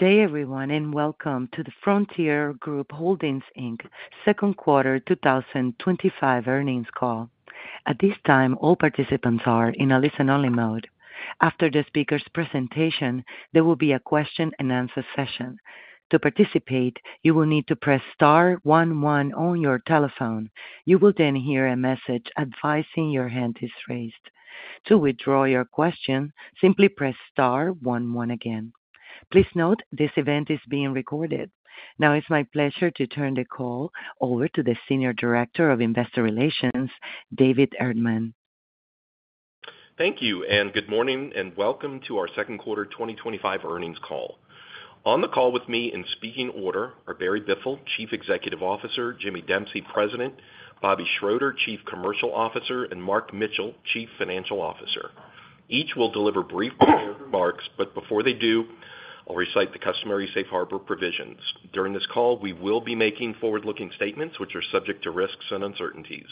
Today, everyone, and welcome to the Frontier Group Holdings Inc. second quarter 2025 earnings call. At this time, all participants are in a listen-only mode. After the speaker's presentation, there will be a question and answer session. To participate, you will need to press *11 on your telephone. You will then hear a message advising your hand is raised. To withdraw your question, simply press *11 again. Please note this event is being recorded. Now, it's my pleasure to turn the call over to the Senior Director of Investor Relations, David Erdman. Thank you, and good morning, and welcome to our second quarter 2025 earnings call. On the call with me, in speaking order, are Barry Biffle, Chief Executive Officer, Jimmy Dempsey, President, Bobby Schroeter, Chief Commercial Officer, and Mark Mitchell, Chief Financial Officer. Each will deliver brief remarks, but before they do, I'll recite the customary safe harbor provisions. During this call, we will be making forward-looking statements, which are subject to risks and uncertainties.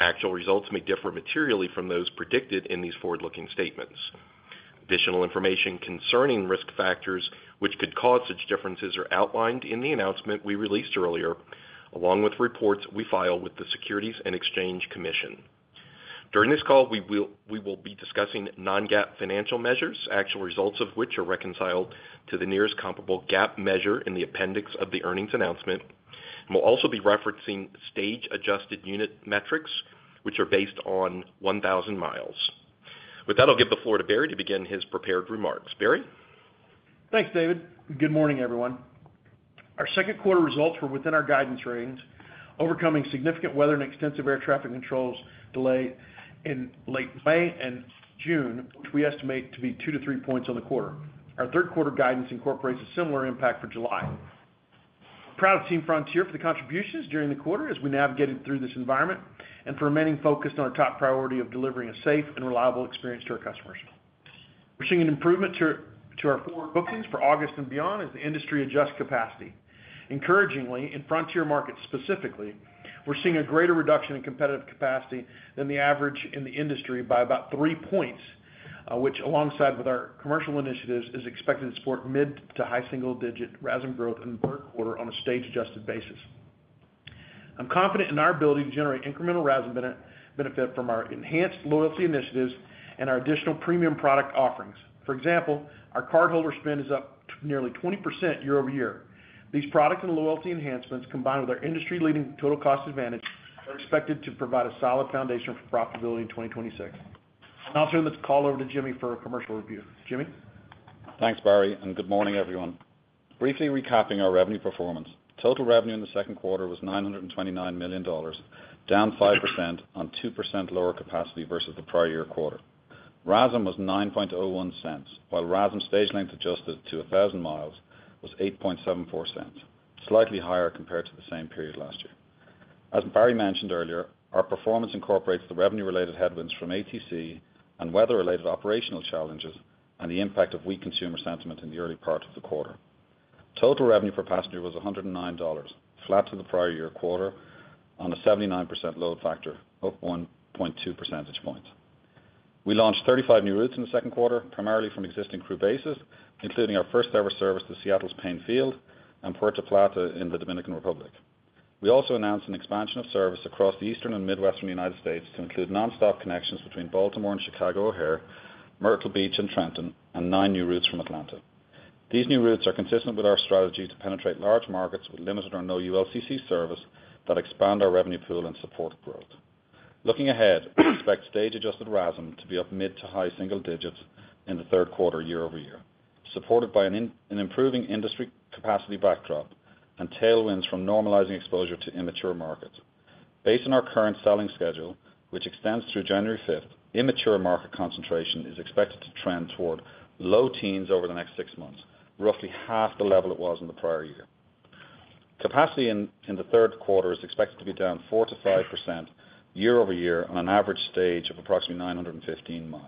Actual results may differ materially from those predicted in these forward-looking statements. Additional information concerning risk factors which could cause such differences are outlined in the announcement we released earlier, along with reports we file with the Securities and Exchange Commission. During this call, we will be discussing non-GAAP financial measures, actual results of which are reconciled to the nearest comparable GAAP measure in the appendix of the earnings announcement. We'll also be referencing stage-adjusted unit metrics, which are based on 1,000 mi. With that, I'll give the floor to Barry to begin his prepared remarks. Barry? Thanks, David. Good morning, everyone. Our second quarter results were within our guidance range, overcoming significant weather and extensive air traffic controls delay in late May and June, which we estimate to be two to three points on the quarter. Our third quarter guidance incorporates a similar impact for July. Proud of Team Frontier for the contributions during the quarter as we navigated through this environment and for remaining focused on our top priority of delivering a safe and reliable experience to our customers. We're seeing an improvement to our bookings for August and beyond as the industry adjusts capacity. Encouragingly, in Frontier markets specifically, we're seeing a greater reduction in competitive capacity than the average in the industry by about three points, which, alongside with our commercial initiatives, is expected to support mid to high single-digit RASM growth in the third quarter on a stage-adjusted basis. I'm confident in our ability to generate incremental RASM benefit from our enhanced loyalty initiatives and our additional premium product offerings. For example, our cardholder spend is up nearly 20% year-over-year. These product and loyalty enhancements, combined with our industry-leading total cost advantage, are expected to provide a solid foundation for profitability in 2026. Now I'll turn the call over to Jimmy for a commercial review. Jimmy? Thanks, Barry, and good morning, everyone. Briefly recapping our revenue performance, total revenue in the second quarter was $929 million, down 5% on 2% lower capacity versus the prior year quarter. RASM was $0.0901, while RASM stage length adjusted to 1,000 miles was $0.0874, slightly higher compared to the same period last year. As Barry mentioned earlier, our performance incorporates the revenue-related headwinds from ATC and weather-related operational challenges and the impact of weak consumer sentiment in the early part of the quarter. Total revenue per passenger was $109, flat to the prior year quarter on a 79% load factor, up 1.2 percentage points. We launched 35 new routes in the second quarter, primarily from existing crew bases, including our first-ever service to Seattle's Paine Field and Puerto Plata in the Dominican Republic. We also announced an expansion of service across the eastern and midwestern United States to include nonstop connections between Baltimore and Chicago O'Hare, Myrtle Beach and Trenton, and nine new routes from Atlanta. These new routes are consistent with our strategy to penetrate large markets with limited or no ULCC service that expand our revenue pool and support growth. Looking ahead, we expect stage-adjusted RASM to be up mid to high single digits in the third quarter year-over-year, supported by an improving industry capacity backdrop and tailwinds from normalizing exposure to immature markets. Based on our current selling schedule, which extends through January 5th, immature market concentration is expected to trend toward low teens over the next six months, roughly half the level it was in the prior year. Capacity in the third quarter is expected to be down 4%-5% year-over-year on an average stage of approximately 915 mi,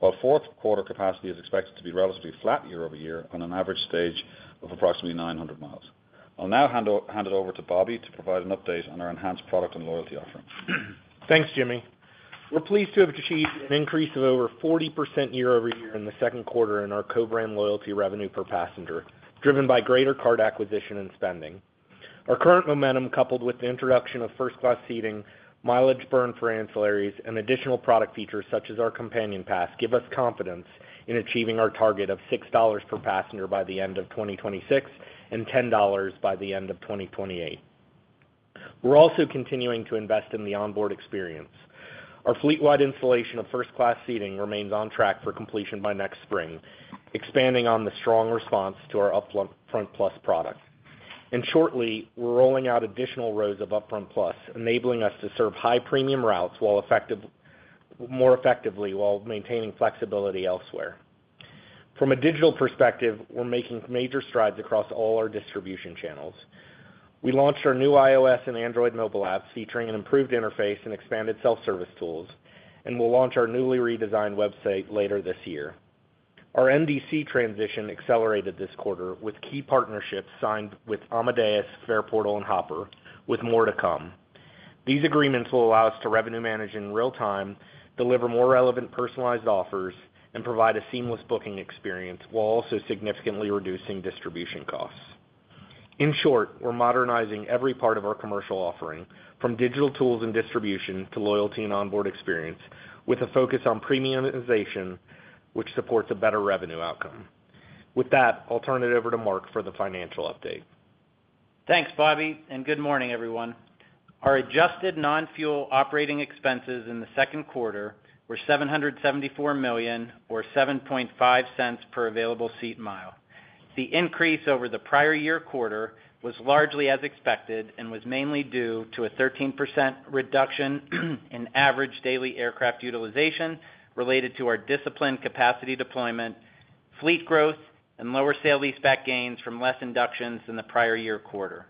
while fourth quarter capacity is expected to be relatively flat year-over-year on an average stage of approximately 900 mi. I'll now hand it over to Bobby to provide an update on our enhanced product and loyalty offer. Thanks, Jimmy. We're pleased to have achieved an increase of over 40% year-over-year in the second quarter in our co-brand loyalty revenue per passenger, driven by greater card acquisition and spending. Our current momentum, coupled with the introduction of first-class seating, mileage burn for ancillaries, and additional product features such as our Companion Pass, give us confidence in achieving our target of $6 per passenger by the end of 2026 and $10 by the end of 2028. We're also continuing to invest in the onboard experience. Our fleet-wide installation of first-class seating remains on track for completion by next spring, expanding on the strong response to our UpFront Plus product. Shortly, we're rolling out additional rows of UpFront Plus, enabling us to serve high-premium routes more effectively while maintaining flexibility elsewhere. From a digital perspective, we're making major strides across all our distribution channels. We launched our new iOS and Android app, featuring an improved interface and expanded self-service tools, and we'll launch our newly redesigned website later this year. Our NDC transition accelerated this quarter with key partnerships signed with Amadeus, Fareportal, and Hopper, with more to come. These agreements will allow us to revenue manage in real time, deliver more relevant personalized offers, and provide a seamless booking experience, while also significantly reducing distribution costs. In short, we're modernizing every part of our commercial offering, from digital tools and distribution to loyalty and onboard experience, with a focus on premiumization, which supports a better revenue outcome. With that, I'll turn it over to Mark for the financial update. Thanks, Bobby, and good morning, everyone. Our adjusted non-fuel operating expenses in the second quarter were $774 million, or $0.075 per available seat mile. The increase over the prior year quarter was largely as expected and was mainly due to a 13% reduction in average daily aircraft utilization related to our disciplined capacity deployment, fleet growth, and lower sale lease-back gains from less inductions than the prior year quarter.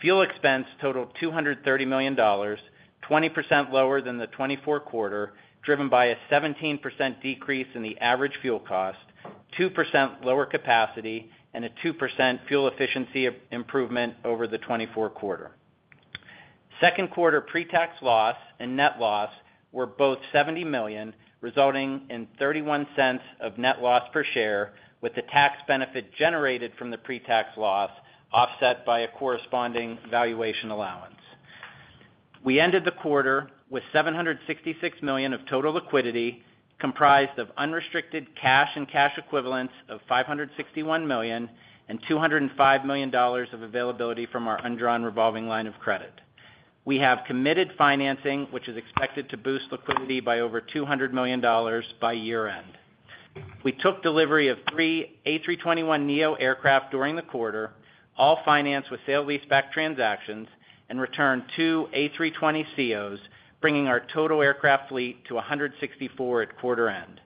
Fuel expense totaled $230 million, 20% lower than the 2024 quarter, driven by a 17% decrease in the average fuel cost, 2% lower capacity, and a 2% fuel efficiency improvement over the 2024 quarter. Second quarter pre-tax loss and net loss were both $70 million, resulting in $0.31 of net loss per share, with the tax benefit generated from the pre-tax loss offset by a corresponding valuation allowance. We ended the quarter with $766 million of total liquidity, comprised of unrestricted cash and cash equivalents of $561 million and $205 million of availability from our undrawn revolving line of credit. We have committed financing, which is expected to boost liquidity by over $200 million by year-end. We took delivery of three A321neo aircraft during the quarter, all financed with sale lease-back transactions, and returned two A320ceos, bringing our total aircraft fleet to 164 at quarter-end.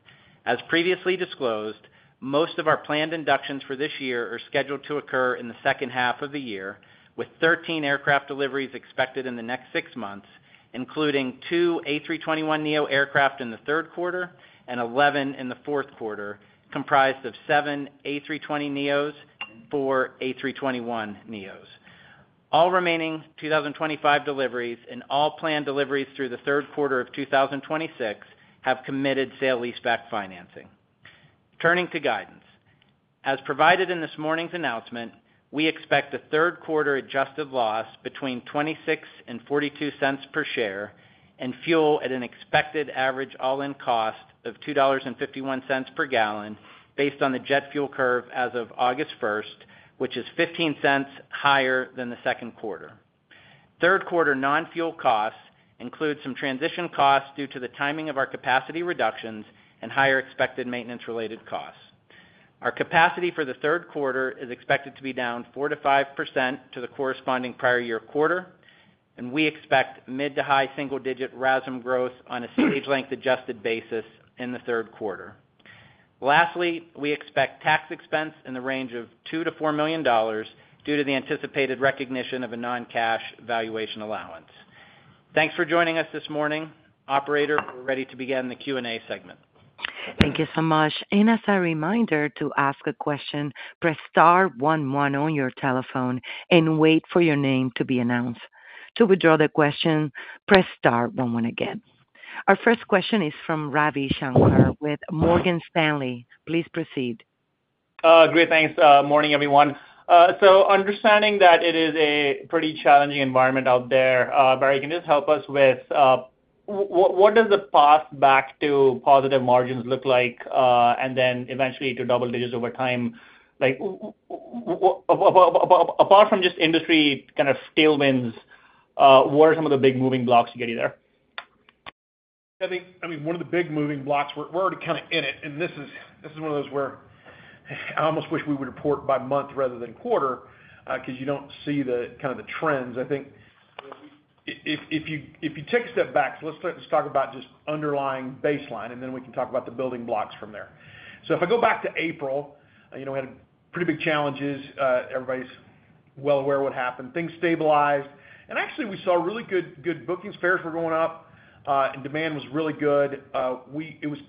As previously disclosed, most of our planned inductions for this year are scheduled to occur in the second half of the year, with 13 aircraft deliveries expected in the next six months, including two A321neo aircraft in the third quarter and 11 in the fourth quarter, comprised of seven A320neos and four A321neos. All remaining 2025 deliveries and all planned deliveries through the third quarter of 2026 have committed sale lease-back financing. Turning to guidance, as provided in this morning's announcement, we expect a third-quarter adjusted loss between $0.26 and $0.42 per share and fuel at an expected average all-in cost of $2.51 per gallon, based on the jet fuel curve as of August 1st, which is $0.15 higher than the second quarter. Third-quarter non-fuel costs include some transition costs due to the timing of our capacity reductions and higher expected maintenance-related costs. Our capacity for the third quarter is expected to be down 4%-5% to the corresponding prior year quarter, and we expect mid to high single-digit RASM growth on a stage-length adjusted basis in the third quarter. Lastly, we expect tax expense in the range of $2 million-$4 million due to the anticipated recognition of a non-cash valuation allowance. Thanks for joining us this morning. Operator, we're ready to begin the Q&A segment. Thank you so much. As a reminder, to ask a question, press *11 on your telephone and wait for your name to be announced. To withdraw the question, press *11 again. Our first question is from Ravi Shanker with Morgan Stanley. Please proceed. Great, thanks. Morning, everyone. Understanding that it is a pretty challenging environment out there, Barry, can you just help us with what does the path back to positive margins look like? Eventually to double digits over time, apart from just industry kind of tailwinds, what are some of the big moving blocks to get you there? I think one of the big moving blocks, we're already kind of in it, and this is one of those where I almost wish we would report by month rather than quarter because you don't see the trends. I think if you take a step back, let's talk about just underlying baseline, and then we can talk about the building blocks from there. If I go back to April, we had pretty big challenges. Everybody's well aware of what happened. Things stabilized, and actually we saw really good bookings. Fares were going up, and demand was really good. It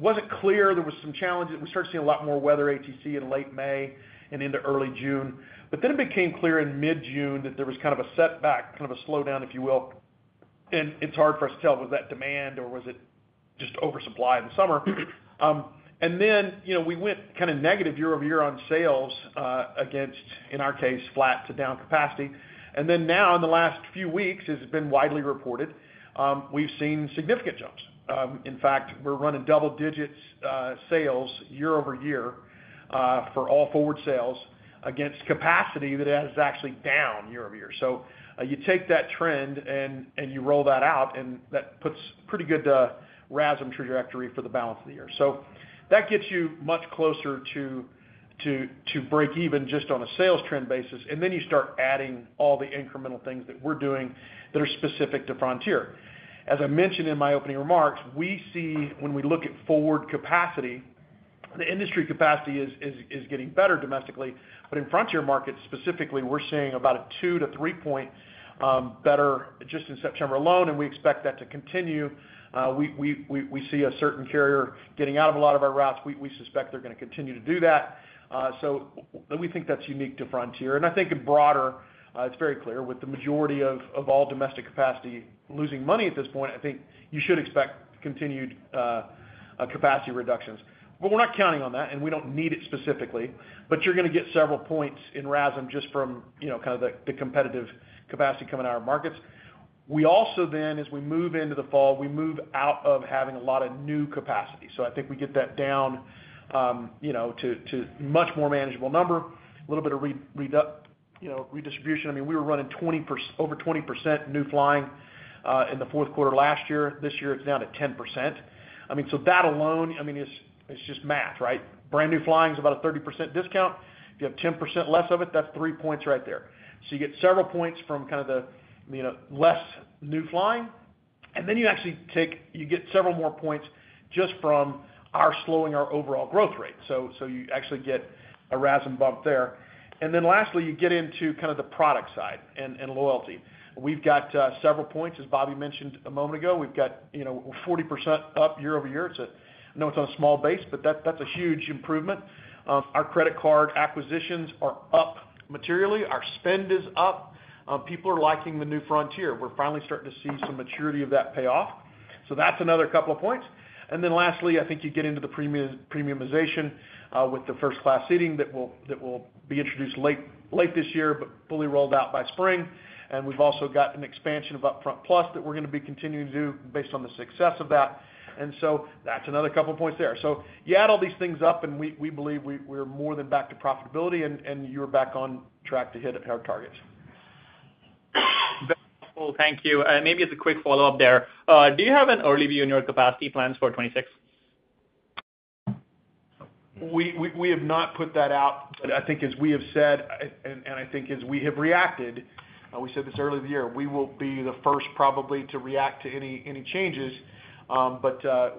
wasn't clear there were some challenges. We started seeing a lot more weather ATC in late May and into early June, but it became clear in mid-June that there was a setback, kind of a slowdown, if you will. It's hard for us to tell if it was that demand or was it just oversupply in the summer. We went negative year-over-year on sales against, in our case, flat to down capacity. Now in the last few weeks, as it's been widely reported, we've seen significant jumps. In fact, we're running double digits sales year-over-year for all forward sales against capacity that is actually down year-over-year. You take that trend and you roll that out, and that puts a pretty good RASM trajectory for the balance of the year. That gets you much closer to break even just on a sales trend basis, and then you start adding all the incremental things that we're doing that are specific to Frontier. As I mentioned in my opening remarks, we see when we look at forward capacity, the industry capacity is getting better domestically, but in Frontier markets specifically, we're seeing about a 2%-3% better just in September alone, and we expect that to continue. We see a certain carrier getting out of a lot of our routes. We suspect they're going to continue to do that. We think that's unique to Frontier, and I think broader, it's very clear with the majority of all domestic capacity losing money at this point, you should expect continued capacity reductions. We're not counting on that, and we don't need it specifically, but you're going to get several points in RASM just from the competitive capacity coming out of our markets. As we move into the fall, we move out of having a lot of new capacity. I think we get that down to a much more manageable number, a little bit of redistribution. We were running over 20% new flying in the fourth quarter last year. This year, it's down to 10%. That alone, it's just math, right? Brand new flying is about a 30% discount. If you have 10% less of it, that's three points right there. You get several points from the less new flying, and then you actually get several more points just from slowing our overall growth rate. You actually get a RASM bump there. Lastly, you get into the product side and loyalty. We've got several points, as Bobby mentioned a moment ago. We've got 40% up year-over-year. I know it's on a small base, but that's a huge improvement. Our credit card acquisitions are up materially. Our spend is up. People are liking the new Frontier. We're finally starting to see some maturity of that payoff. That's another couple of points. Lastly, I think you get into the premiumization with the first-class seating that will be introduced late this year, but fully rolled out by spring. We've also got an expansion of UpFront Plus that we're going to be continuing to do based on the success of that. That's another couple of points there. You add all these things up, and we believe we're more than back to profitability, and you're back on track to hit our targets. Thank you. Maybe as a quick follow-up there, do you have an early view on your capacity plans for 2026? We have not put that out. I think, as we have said, and I think as we have reacted, we said this early in the year, we will be the first probably to react to any changes.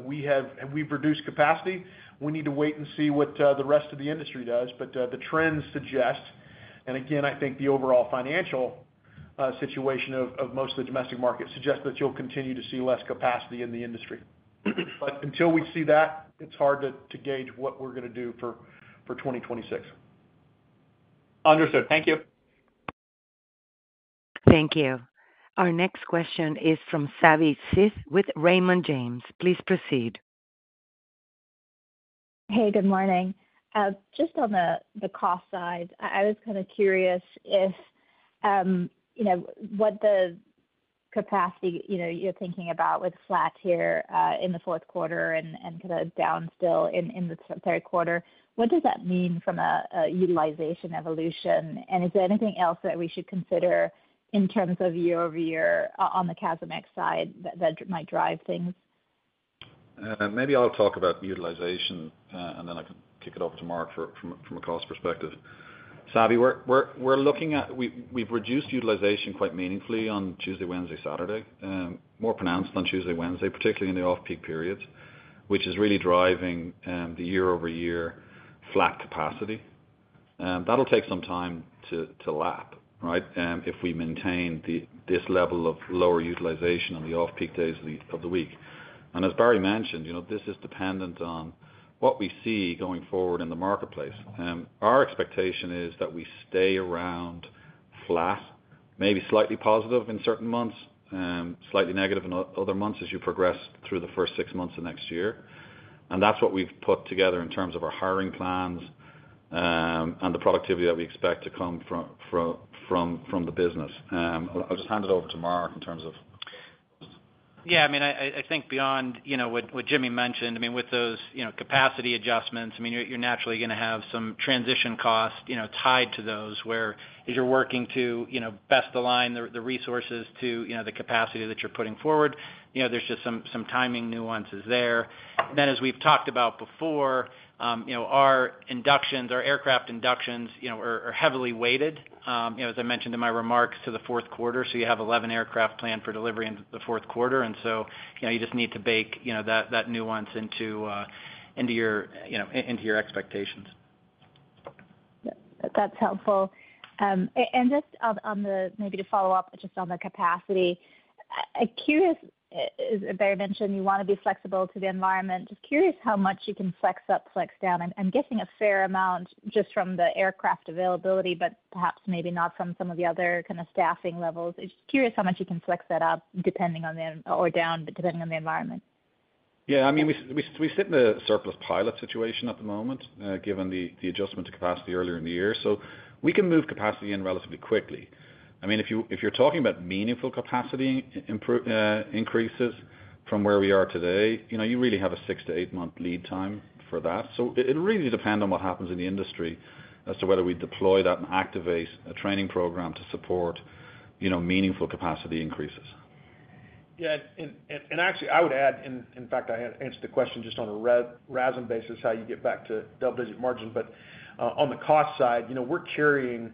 We have reduced capacity. We need to wait and see what the rest of the industry does. The trends suggest, and again, I think the overall financial situation of most of the domestic market suggests that you'll continue to see less capacity in the industry. Until we see that, it's hard to gauge what we're going to do for 2026. Understood. Thank you. Thank you. Our next question is from Savi Syth with Raymond James. Please proceed. Hey, good morning. Just on the cost side, I was kind of curious if what the capacity you're thinking about with flat here in the fourth quarter and kind of down still in the third quarter, what does that mean from a utilization evolution? Is there anything else that we should consider in terms of year-over-year on the CASM ex side that might drive things? Maybe I'll talk about utilization, and then I can kick it off to Mark from a cost perspective. Savi, we're looking at we've reduced utilization quite meaningfully on Tuesday, Wednesday, Saturday, more pronounced on Tuesday and Wednesday, particularly in the off-peak periods, which is really driving the year-over-year flat capacity. That'll take some time to lap, right, if we maintain this level of lower utilization on the off-peak days of the week. As Barry mentioned, this is dependent on what we see going forward in the marketplace. Our expectation is that we stay around flat, maybe slightly positive in certain months, slightly negative in other months as you progress through the first six months of next year. That's what we've put together in terms of our hiring plans and the productivity that we expect to come from the business. I'll just hand it over to Mark in terms of. Yeah, I mean, I think beyond what Jimmy mentioned, with those capacity adjustments, you're naturally going to have some transition costs tied to those where you're working to best align the resources to the capacity that you're putting forward. There's just some timing nuances there. As we've talked about before, our inductions, our aircraft inductions are heavily weighted, as I mentioned in my remarks, to the fourth quarter. You have 11 aircraft planned for delivery in the fourth quarter, and you just need to bake that nuance into your expectations. That's helpful. Just to follow up on the capacity, I'm curious, as Barry mentioned, you want to be flexible to the environment. I'm curious how much you can flex up or flex down. I'm guessing a fair amount just from the aircraft availability, but perhaps maybe not from some of the other staffing levels. I'm just curious how much you can flex that up or down depending on the environment. Yeah, I mean, we sit in a surplus pilot situation at the moment given the adjustment to capacity earlier in the year. We can move capacity in relatively quickly. If you're talking about meaningful capacity increases from where we are today, you really have a six to eight-month lead time for that. It really depends on what happens in the industry as to whether we deploy that and activate a training program to support meaningful capacity increases. Yeah, and actually, I would add, in fact, I answered the question just on a RASM basis, how you get back to double-digit margin. On the cost side, we're carrying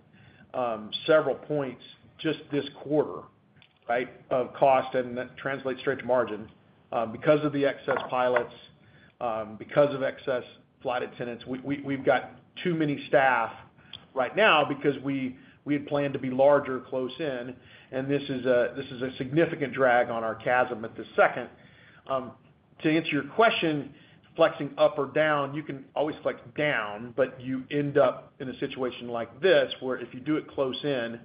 several points just this quarter, right, of cost, and that translates straight to margin because of the excess pilots, because of excess flight attendants. We've got too many staff right now because we had planned to be larger close in, and this is a significant drag on our CASM at this second. To answer your question, flexing up or down, you can always flex down, but you end up in a situation like this where if you do it close in,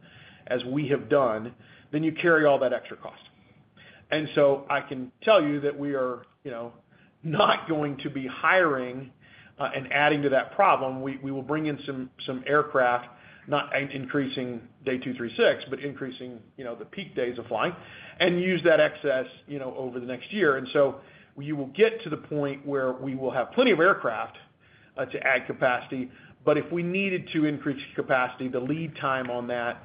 as we have done, you carry all that extra cost. I can tell you that we are not going to be hiring and adding to that problem. We will bring in some aircraft, not increasing day two, three, six, but increasing the peak days of flying and use that excess over the next year. You will get to the point where we will have plenty of aircraft to add capacity. If we needed to increase capacity, the lead time on that,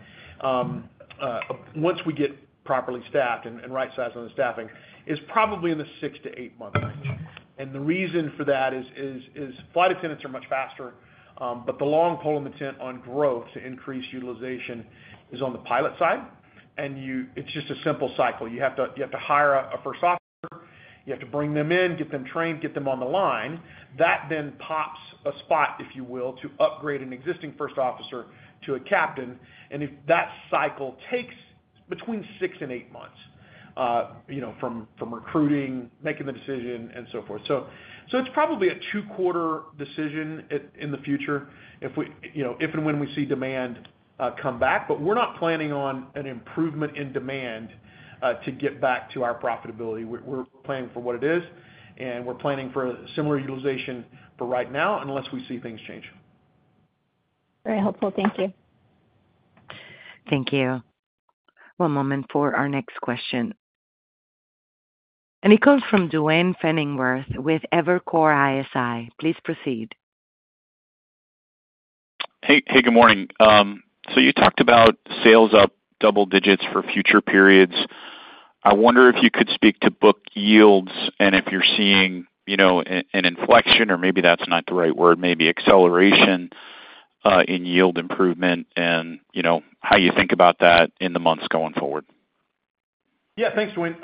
once we get properly staffed and right-sized on the staffing, is probably in the six to eight-month range. The reason for that is flight attendants are much faster, but the long pole in the tent on growth to increase utilization is on the pilot side. It's just a simple cycle. You have to hire a first officer. You have to bring them in, get them trained, get them on the line. That then pops a spot, if you will, to upgrade an existing first officer to a captain. If that cycle takes between six and eight months, from recruiting, making the decision, and so forth. It's probably a two-quarter decision in the future if and when we see demand come back. We're not planning on an improvement in demand to get back to our profitability. We're planning for what it is, and we're planning for a similar utilization for right now unless we see things change. Very helpful. Thank you. Thank you. One moment for our next question. It comes from Duane Pfennigwerth with Evercore ISI. Please proceed. Good morning. You talked about sales up double digits for future periods. I wonder if you could speak to book yields and if you're seeing an inflection, or maybe that's not the right word, maybe acceleration in yield improvement and how you think about that in the months going forward. Yeah, thanks, Duane.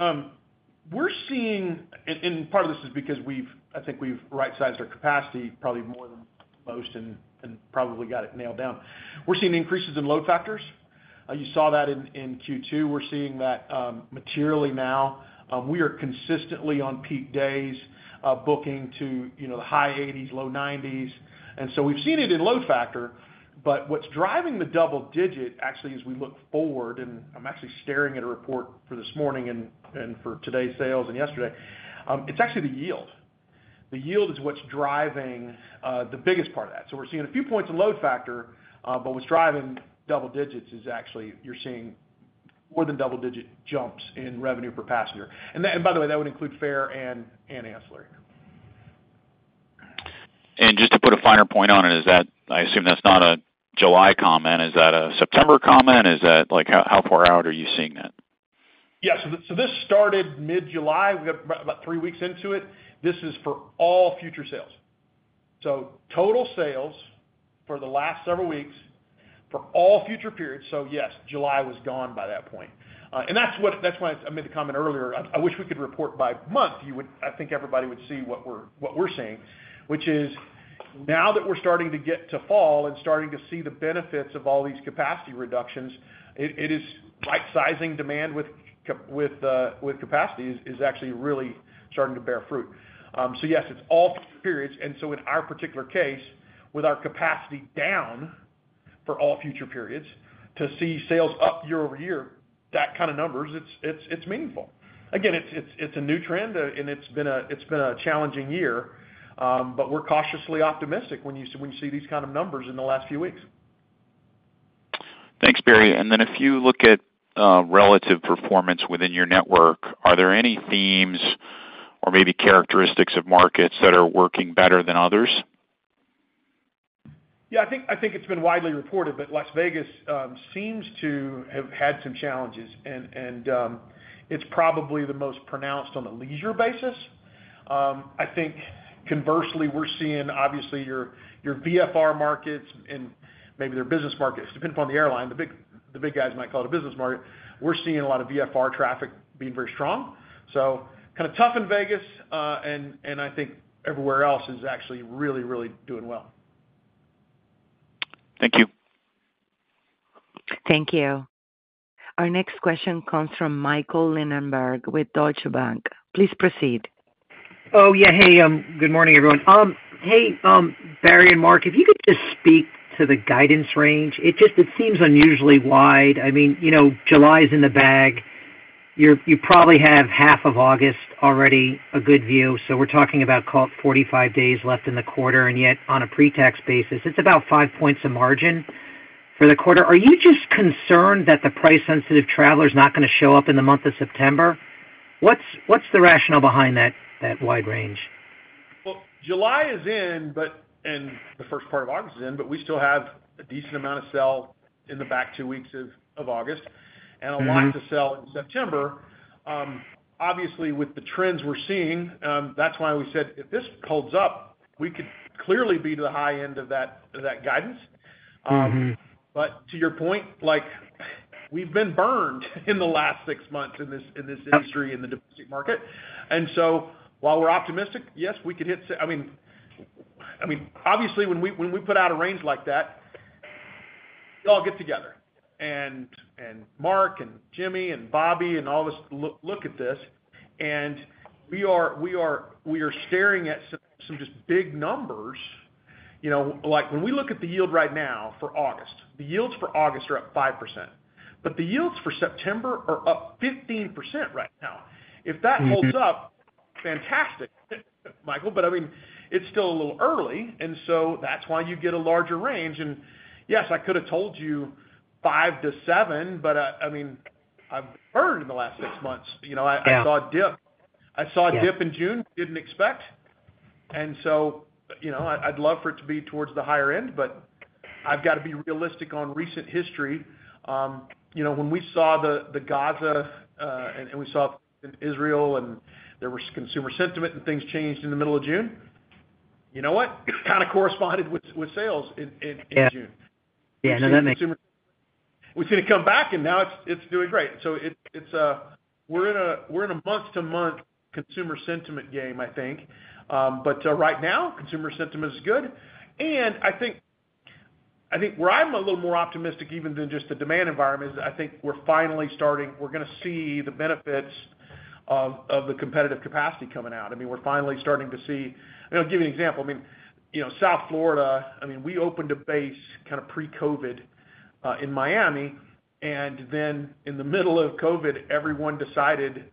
We're seeing, and part of this is because we've, I think we've right-sized our capacity probably more than most and probably got it nailed down. We're seeing increases in load factors. You saw that in Q2. We're seeing that materially now. We are consistently on peak days booking to the high 80s, low 90s. We've seen it in load factor. What's driving the double digit actually is we look forward, and I'm actually staring at a report for this morning and for today's sales and yesterday. It's actually the yield. The yield is what's driving the biggest part of that. We're seeing a few points in load factor, but what's driving double digits is actually you're seeing more than double digit jumps in revenue per passenger. By the way, that would include fare and ancillary. Just to put a finer point on it, is that, I assume that's not a July comment. Is that a September comment? How far out are you seeing that? Yeah, this started mid-July. We got about three weeks into it. This is for all future sales. Total sales for the last several weeks for all future periods. July was gone by that point. That's why I made the comment earlier. I wish we could report by month. I think everybody would see what we're seeing, which is now that we're starting to get to fall and starting to see the benefits of all these capacity reductions, right-sizing demand with capacity is actually really starting to bear fruit. It's all future periods. In our particular case, with our capacity down for all future periods, to see sales up year-over-year, that kind of numbers, it's meaningful. It's a new trend, and it's been a challenging year, but we're cautiously optimistic when you see these kind of numbers in the last few weeks. Thanks, Barry. If you look at relative performance within your network, are there any themes or maybe characteristics of markets that are working better than others? I think it's been widely reported, but Las Vegas seems to have had some challenges, and it's probably the most pronounced on a leisure basis. I think conversely, we're seeing, obviously, your VFR markets and maybe their business markets, depending upon the airline. The big guys might call it a business market. We're seeing a lot of VFR traffic being very strong. It's kind of tough in Vegas, and I think everywhere else is actually really, really doing well. Thank you. Thank you. Our next question comes from Michael Linenberg with Deutsche Bank. Please proceed. Oh, yeah. Hey, good morning, everyone. Hey, Barry and Mark, if you could just speak to the guidance range, it just seems unusually wide. I mean, you know, July's in the bag. You probably have half of August already a good view. We're talking about, call it, 45 days left in the quarter, and yet on a pre-tax basis, it's about 5% of margin for the quarter. Are you just concerned that the price-sensitive traveler is not going to show up in the month of September? What's the rationale behind that wide range? July is in, the first part of August is in, but we still have a decent amount of sell in the back two weeks of August and a lot to sell in September. Obviously, with the trends we're seeing, that's why we said if this holds up, we could clearly be to the high end of that guidance. To your point, we've been burned in the last six months in this industry in the domestic market. While we're optimistic, yes, we could hit, I mean, obviously, when we put out a range like that, we all get together. Mark, Jimmy, Bobby, and all of us look at this, and we are staring at some just big numbers. You know, like when we look at the yield right now for August, the yields for August are up 5%. The yields for September are up 15% right now. If that holds up, fantastic, Michael, but it's still a little early. That's why you get a larger range. Yes, I could have told you five to seven, but I've heard in the last six months, you know, I saw a dip in June, didn't expect. I'd love for it to be towards the higher end, but I've got to be realistic on recent history. You know, when we saw Gaza, and we saw in Israel, and there was consumer sentiment and things changed in the middle of June, you know what? Kind of corresponded with sales in June. Yeah, no, that makes sense. We've seen it come back, and now it's doing great. We're in a month-to-month consumer sentiment game, I think. Right now, consumer sentiment is good. Where I'm a little more optimistic, even than just the demand environment, is I think we're finally starting, we're going to see the benefits of the competitive capacity coming out. We're finally starting to see, I'll give you an example. You know, South Florida, we opened a base kind of pre-COVID in Miami. In the middle of COVID, everyone decided,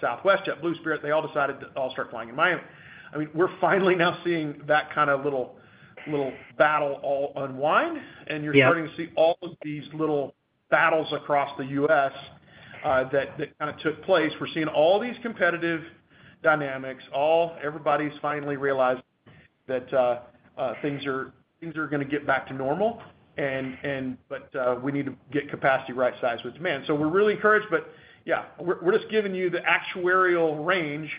Southwest, JetBlue, Spirit, they all decided to all start flying in Miami. We're finally now seeing that kind of little battle all unwind, and you're starting to see all of these little battles across the U.S. that kind of took place. We're seeing all these competitive dynamics. Everybody's finally realized that things are going to get back to normal, but we need to get capacity right-sized with demand. We're really encouraged, but yeah, we're just giving you the actuarial range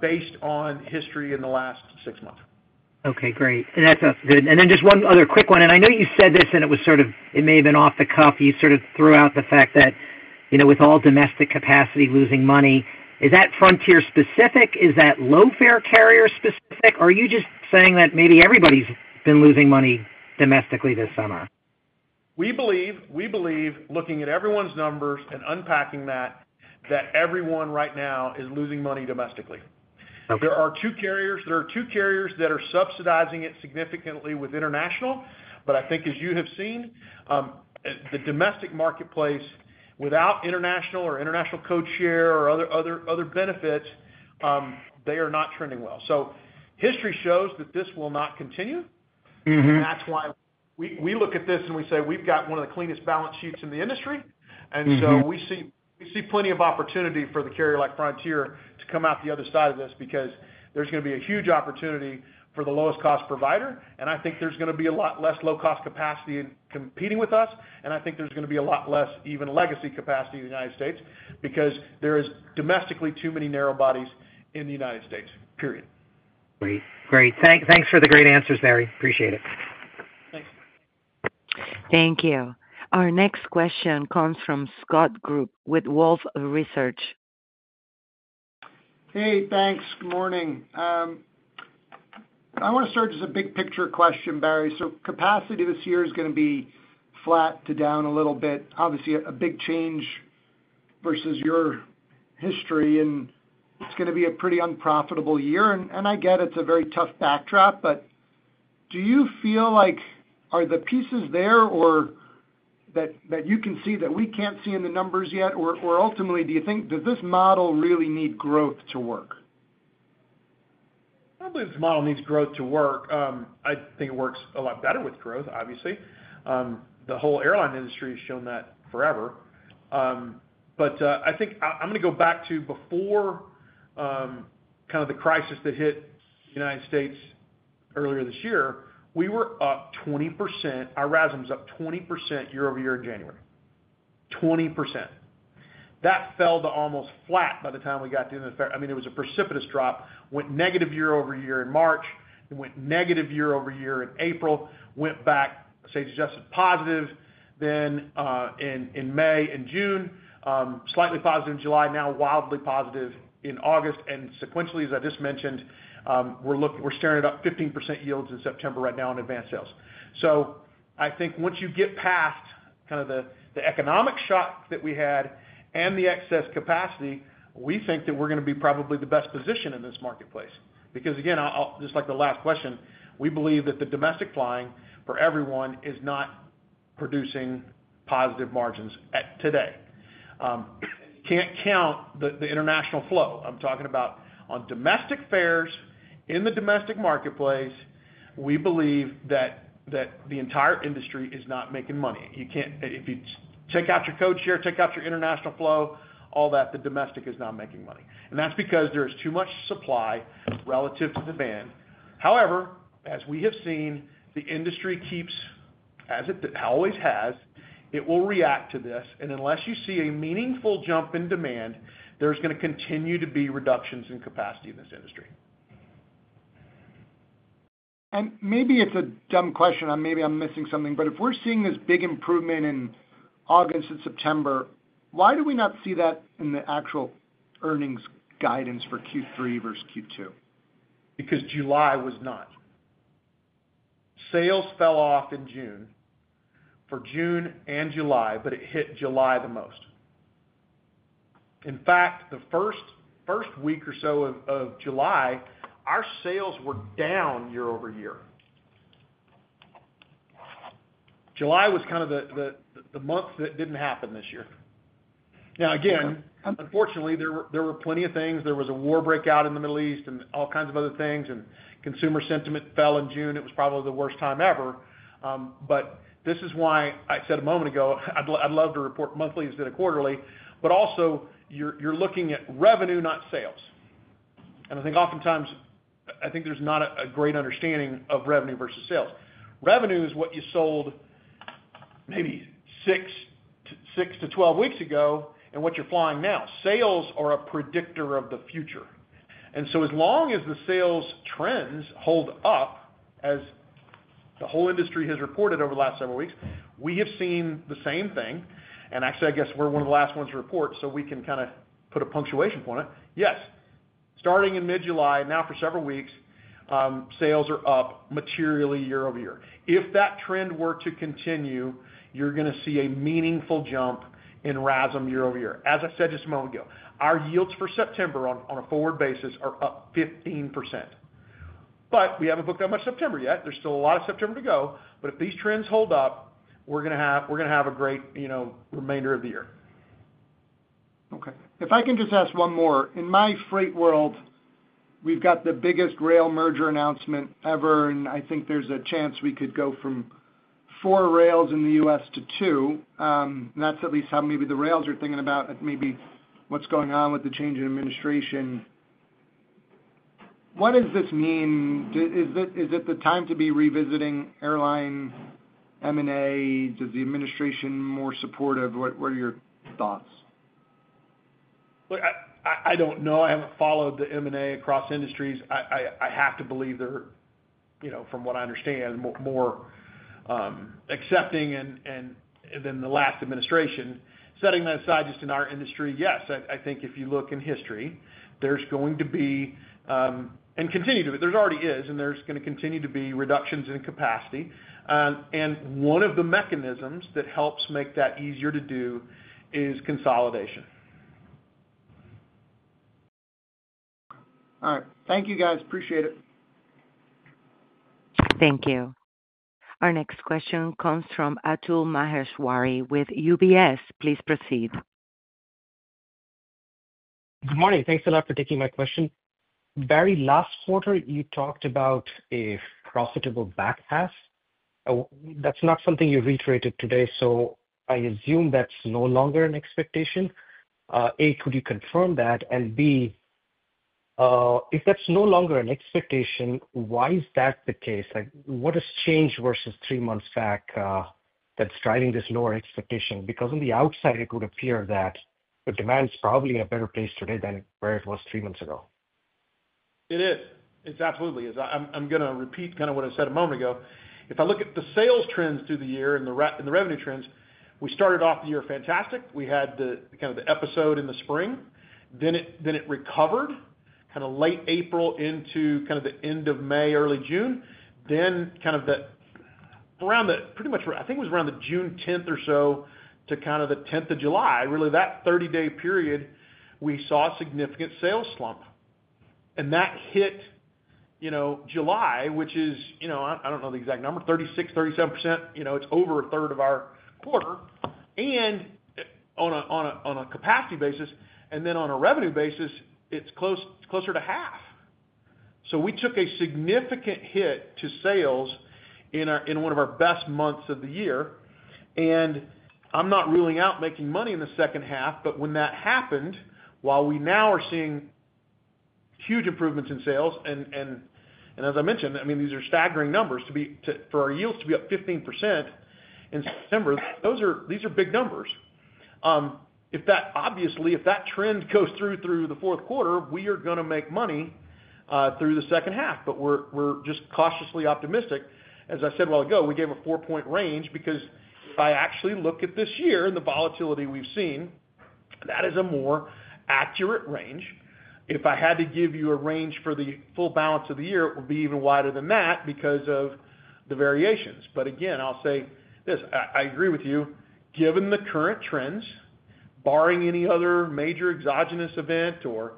based on history in the last six months. Okay, great. That's good. Just one other quick one. I know you said this, and it was sort of, it may have been off the cuff. You sort of threw out the fact that, you know, with all domestic capacity losing money, is that Frontier specific? Is that low fare carrier specific? Are you just saying that maybe everybody's been losing money domestically this summer? We believe, looking at everyone's numbers and unpacking that, that everyone right now is losing money domestically. There are two carriers that are subsidizing it significantly with international, but I think, as you have seen, the domestic marketplace without international or international code share or other benefits, they are not trending well. History shows that this will not continue. That's why we look at this and we say we've got one of the cleanest balance sheets in the industry. We see plenty of opportunity for the carrier like Frontier to come out the other side of this because there's going to be a huge opportunity for the lowest cost provider. I think there's going to be a lot less low-cost capacity in competing with us. I think there's going to be a lot less even legacy capacity in the United States because there are domestically too many narrow bodies in the United States, period. Great, great. Thanks for the great answers, Barry. Appreciate it. Thanks. Thank you. Our next question comes from Scott Group with Wolfe Research. Hey, thanks. Good morning. I want to start as a big picture question, Barry. Capacity this year is going to be flat to down a little bit. Obviously, a big change versus your history, and it's going to be a pretty unprofitable year. I get it's a very tough backdrop, but do you feel like the pieces are there or that you can see that we can't see in the numbers yet? Ultimately, do you think this model really needs growth to work? I believe this model needs growth to work. I think it works a lot better with growth, obviously. The whole airline industry has shown that forever. I think I'm going to go back to before the crisis that hit the United States earlier this year. We were up 20%. Our RASM's up 20% year-over-year in January. 20%. That fell to almost flat by the time we got to the, I mean, it was a precipitous drop. Went negative year-over-year in March. It went negative year-over-year in April. Went back just positive then in May and June, slightly positive in July, now wildly positive in August. Sequentially, as I just mentioned, we're looking, we're staring at up 15% yields in September right now in advanced sales. I think once you get past the economic shock that we had and the excess capacity, we think that we're going to be probably the best position in this marketplace. Again, just like the last question, we believe that the domestic flying for everyone is not producing positive margins today. Can't count the international flow. I'm talking about on domestic fares in the domestic marketplace. We believe that the entire industry is not making money. You can't, if you take out your code share, take out your international flow, all that, the domestic is not making money. That's because there is too much supply relative to demand. However, as we have seen, the industry keeps, as it always has, it will react to this. Unless you see a meaningful jump in demand, there's going to continue to be reductions in capacity in this industry. Maybe it's a dumb question. Maybe I'm missing something, but if we're seeing this big improvement in August and September, why do we not see that in the actual earnings guidance for Q3 versus Q2? July was not. Sales fell off in June for June and July, but it hit July the most. In fact, the first week or so of July, our sales were down year-over-year. July was kind of the month that didn't happen this year. Now, again, unfortunately, there were plenty of things. There was a war breakout in the Middle East and all kinds of other things, and consumer sentiment fell in June. It was probably the worst time ever. This is why I said a moment ago, I'd love to report monthly instead of quarterly, but also you're looking at revenue, not sales. I think oftentimes, there's not a great understanding of revenue versus sales. Revenue is what you sold maybe six to twelve weeks ago and what you're flying now. Sales are a predictor of the future. As long as the sales trends hold up, as the whole industry has reported over the last several weeks, we have seen the same thing. Actually, I guess we're one of the last ones to report, so we can kind of put a punctuation point on it. Yes, starting in mid-July, now for several weeks, sales are up materially year-over-year. If that trend were to continue, you're going to see a meaningful jump in RASM year-over-year. As I said just a moment ago, our yields for September on a forward basis are up 15%. We haven't booked that much September yet. There's still a lot of September to go. If these trends hold up, we're going to have a great, you know, remainder of the year. Okay. If I can just ask one more, in my freight world, we've got the biggest rail merger announcement ever, and I think there's a chance we could go from four rails in the U.S. to two. That's at least how maybe the rails are thinking about it, maybe what's going on with the change in administration. What does this mean? Is it the time to be revisiting airline M&A? Does the administration more support? What are your thoughts? I don't know. I haven't followed the M&A across industries. I have to believe they're, you know, from what I understand, more accepting than the last administration. Setting that aside just in our industry, yes, I think if you look in history, there's going to be, and continue to be, there already is, and there's going to continue to be reductions in capacity. One of the mechanisms that helps make that easier to do is consolidation. All right. Thank you, guys. Appreciate it. Thank you. Our next question comes from Atul Maheswari with UBS. Please proceed. Good morning. Thanks a lot for taking my question. Barry, last quarter, you talked about a profitable backpass. That's not something you reiterated today, so I assume that's no longer an expectation. Could you confirm that? If that's no longer an expectation, why is that the case? What has changed versus three months back that's driving this lower expectation? Because on the outside, it would appear that the demand is probably in a better place today than where it was three months ago. It is. It's absolutely. I'm going to repeat kind of what I said a moment ago. If I look at the sales trends through the year and the revenue trends, we started off the year fantastic. We had kind of the episode in the spring. Then it recovered late April into the end of May, early June. Around June 10th or so to the 10th of July, really that 30-day period, we saw a significant sales slump. That hit July, which is, I don't know the exact number, 36%, 37%. It's over a third of our quarter. On a capacity basis, and then on a revenue basis, it's closer to half. We took a significant hit to sales in one of our best months of the year. I'm not ruling out making money in the second half, but when that happened, while we now are seeing huge improvements in sales, and as I mentioned, these are staggering numbers for our yields to be up 15% in September. These are big numbers. Obviously, if that trend goes through the fourth quarter, we are going to make money through the second half. We're just cautiously optimistic. As I said a while ago, we gave a four-point range because if I actually look at this year and the volatility we've seen, that is a more accurate range. If I had to give you a range for the full balance of the year, it would be even wider than that because of the variations. Again, I'll say this. I agree with you. Given the current trends, barring any other major exogenous event or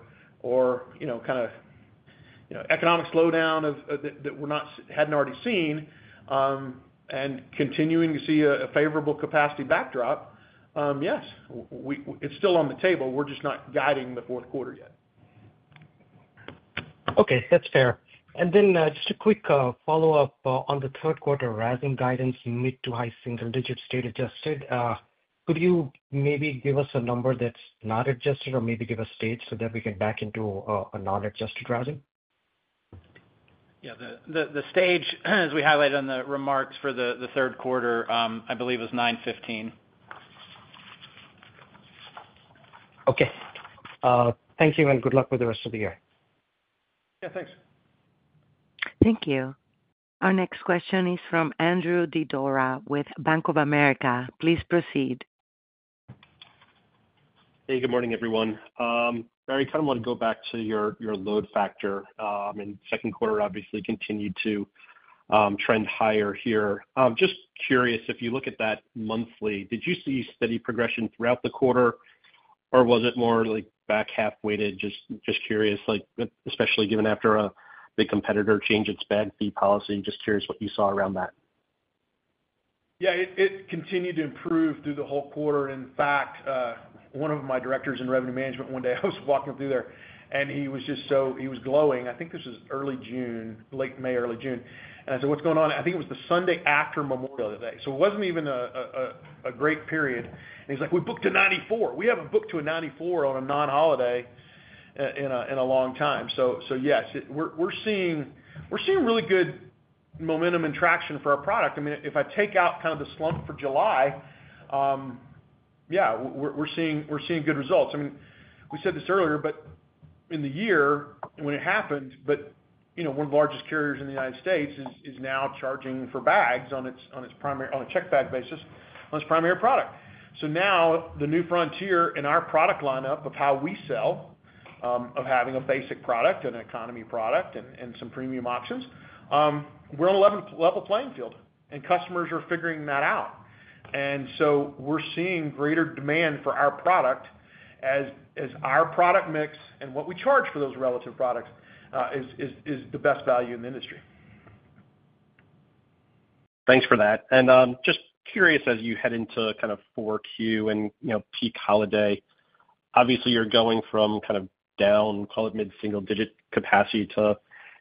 economic slowdown that we hadn't already seen, and continuing to see a favorable capacity backdrop, yes, it's still on the table. We're just not guiding the fourth quarter yet. Okay, that's fair. Just a quick follow-up on the third quarter RASM guidance in mid to high single digit state-adjusted. Could you maybe give us a number that's not adjusted or maybe give a stage so that we can back into a non-adjusted RASM? Yeah, the stage, as we highlighted on the remarks for the third quarter, I believe, is $915. Okay. Thank you, and good luck with the rest of the year. Yeah, thanks. Thank you. Our next question is from Andrew Didora with Bank of America. Please proceed. Hey, good morning, everyone. Barry, kind of want to go back to your load factor. I mean, second quarter obviously continued to trend higher here. Just curious, if you look at that monthly, did you see steady progression throughout the quarter, or was it more like back half weighted? Just curious, like especially given after a big competitor changed its bag fee policy, and just curious what you saw around that. Yeah, it continued to improve through the whole quarter. In fact, one of my Directors in Revenue Management, one day I was walking through there, and he was just so, he was glowing. I think this was early June, late May, early June. I said, "What's going on?" I think it was the Sunday after Memorial Day. It wasn't even a great period. He's like, "We booked a 94. We haven't booked to a 94 on a non-holiday in a long time." Yes, we're seeing really good momentum and traction for our product. If I take out kind of the slump for July, yeah, we're seeing good results. We said this earlier in the year when it happened, but you know, one of the largest carriers in the United States is now charging for bags on its primary, on a check bag basis, on its primary product. Now the New Frontier in our product lineup of how we sell, of having a basic product and an economy product and some premium options, we're on an 11-level playing field, and customers are figuring that out. We are seeing greater demand for our product as our product mix and what we charge for those relative products is the best value in the industry. Thanks for that. Just curious, as you head into kind of 4Q and peak holiday, obviously you're going from kind of down, call it mid-single-digit capacity to,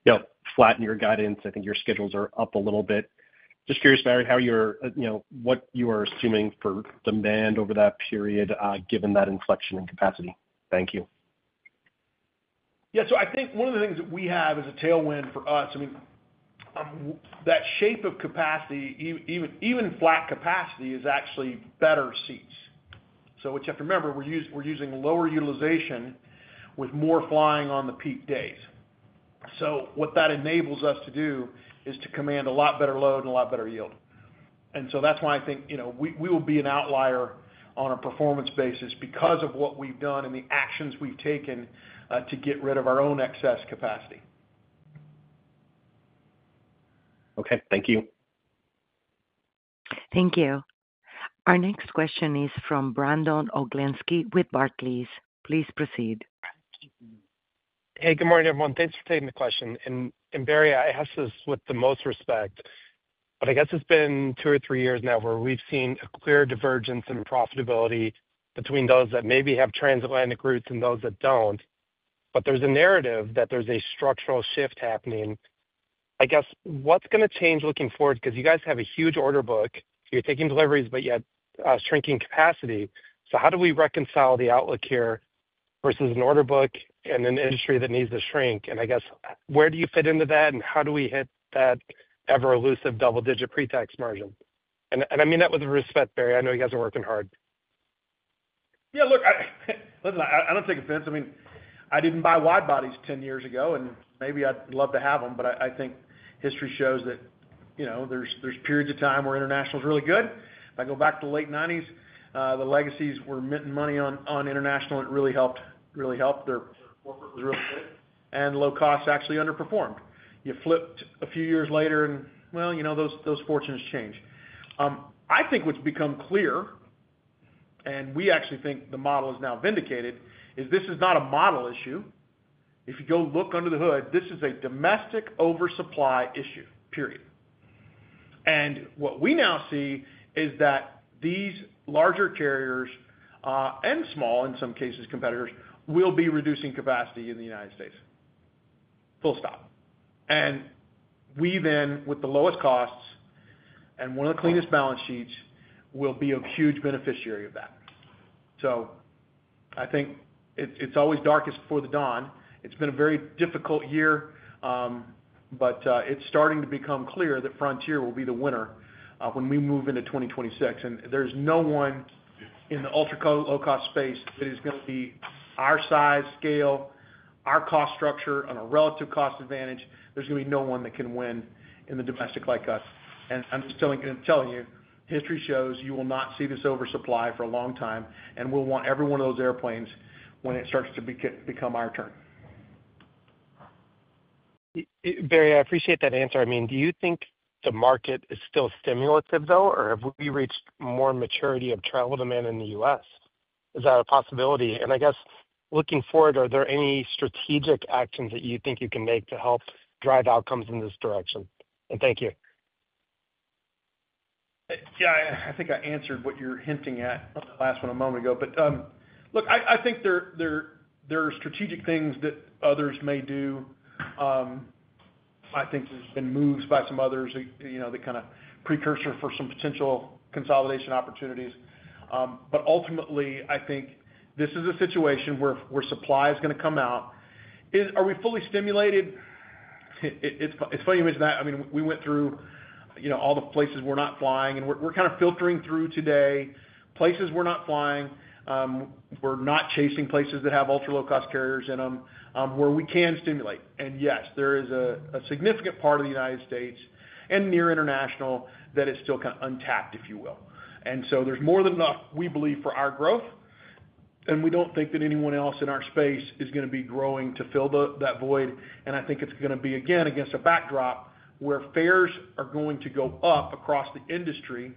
you know, flatten your guidance. I think your schedules are up a little bit. Just curious, Barry, how you're, you know, what you are assuming for demand over that period given that inflection in capacity. Thank you. Yeah, I think one of the things that we have as a tailwind for us, I mean, that shape of capacity, even flat capacity, is actually better seats. What you have to remember, we're using lower utilization with more flying on the peak days. What that enables us to do is to command a lot better load and a lot better yield. That's why I think we will be an outlier on a performance basis because of what we've done and the actions we've taken to get rid of our own excess capacity. Okay, thank you. Thank you. Our next question is from Brandon Oglenski with Barclays. Please proceed. Hey, good morning, everyone. Thanks for taking the question. Barry, I ask this with the most respect, but I guess it's been two or three years now where we've seen a clear divergence in profitability between those that maybe have transatlantic routes and those that don't. There's a narrative that there's a structural shift happening. I guess what's going to change looking forward? You guys have a huge order book. You're taking deliveries, yet shrinking capacity. How do we reconcile the outlook here versus an order book and an industry that needs to shrink? Where do you fit into that and how do we hit that ever-elusive double-digit pre-tax margin? I mean that with respect, Barry. I know you guys are working hard. Yeah, look, listen, I don't take offense. I mean, I didn't buy wide bodies 10 years ago, and maybe I'd love to have them, but I think history shows that there's periods of time where international is really good. I go back to the late 1990s. The legacies were minting money on international. It really helped, really helped. It was really good. Low costs actually underperformed. You flipped a few years later and, well, you know, those fortunes change. I think what's become clear, and we actually think the model is now vindicated, is this is not a model issue. If you go look under the hood, this is a domestic oversupply issue, period. What we now see is that these larger carriers and small, in some cases, competitors will be reducing capacity in the United States. Full stop. We then, with the lowest costs and one of the cleanest balance sheets, will be a huge beneficiary of that. I think it's always darkest before the dawn. It's been a very difficult year, but it's starting to become clear that Frontier will be the winner when we move into 2026. There's no one in the ultra-low-cost space that is going to be our size, scale, our cost structure, and our relative cost advantage. There's going to be no one that can win in the domestic like us. I'm just telling you, history shows you will not see this oversupply for a long time and will want every one of those airplanes when it starts to become our turn. Barry, I appreciate that answer. Do you think the market is still stimulative, though, or have we reached more maturity of travel demand in the U.S.? Is that a possibility? I guess looking forward, are there any strategic actions that you think you can make to help drive outcomes in this direction? Thank you. Yeah, I think I answered what you're hinting at on the last one a moment ago. Look, I think there are strategic things that others may do. I think there's been moves by some others, you know, the kind of precursor for some potential consolidation opportunities. Ultimately, I think this is a situation where supply is going to come out. Are we fully stimulated? It's funny you mentioned that. I mean, we went through all the places we're not flying, and we're kind of filtering through today places we're not flying. We're not chasing places that have ultra-low-cost carriers in them where we can stimulate. Yes, there is a significant part of the United States and near international that is still kind of untapped, if you will. There's more than enough, we believe, for our growth. We don't think that anyone else in our space is going to be growing to fill that void. I think it's going to be, again, against a backdrop where fares are going to go up across the industry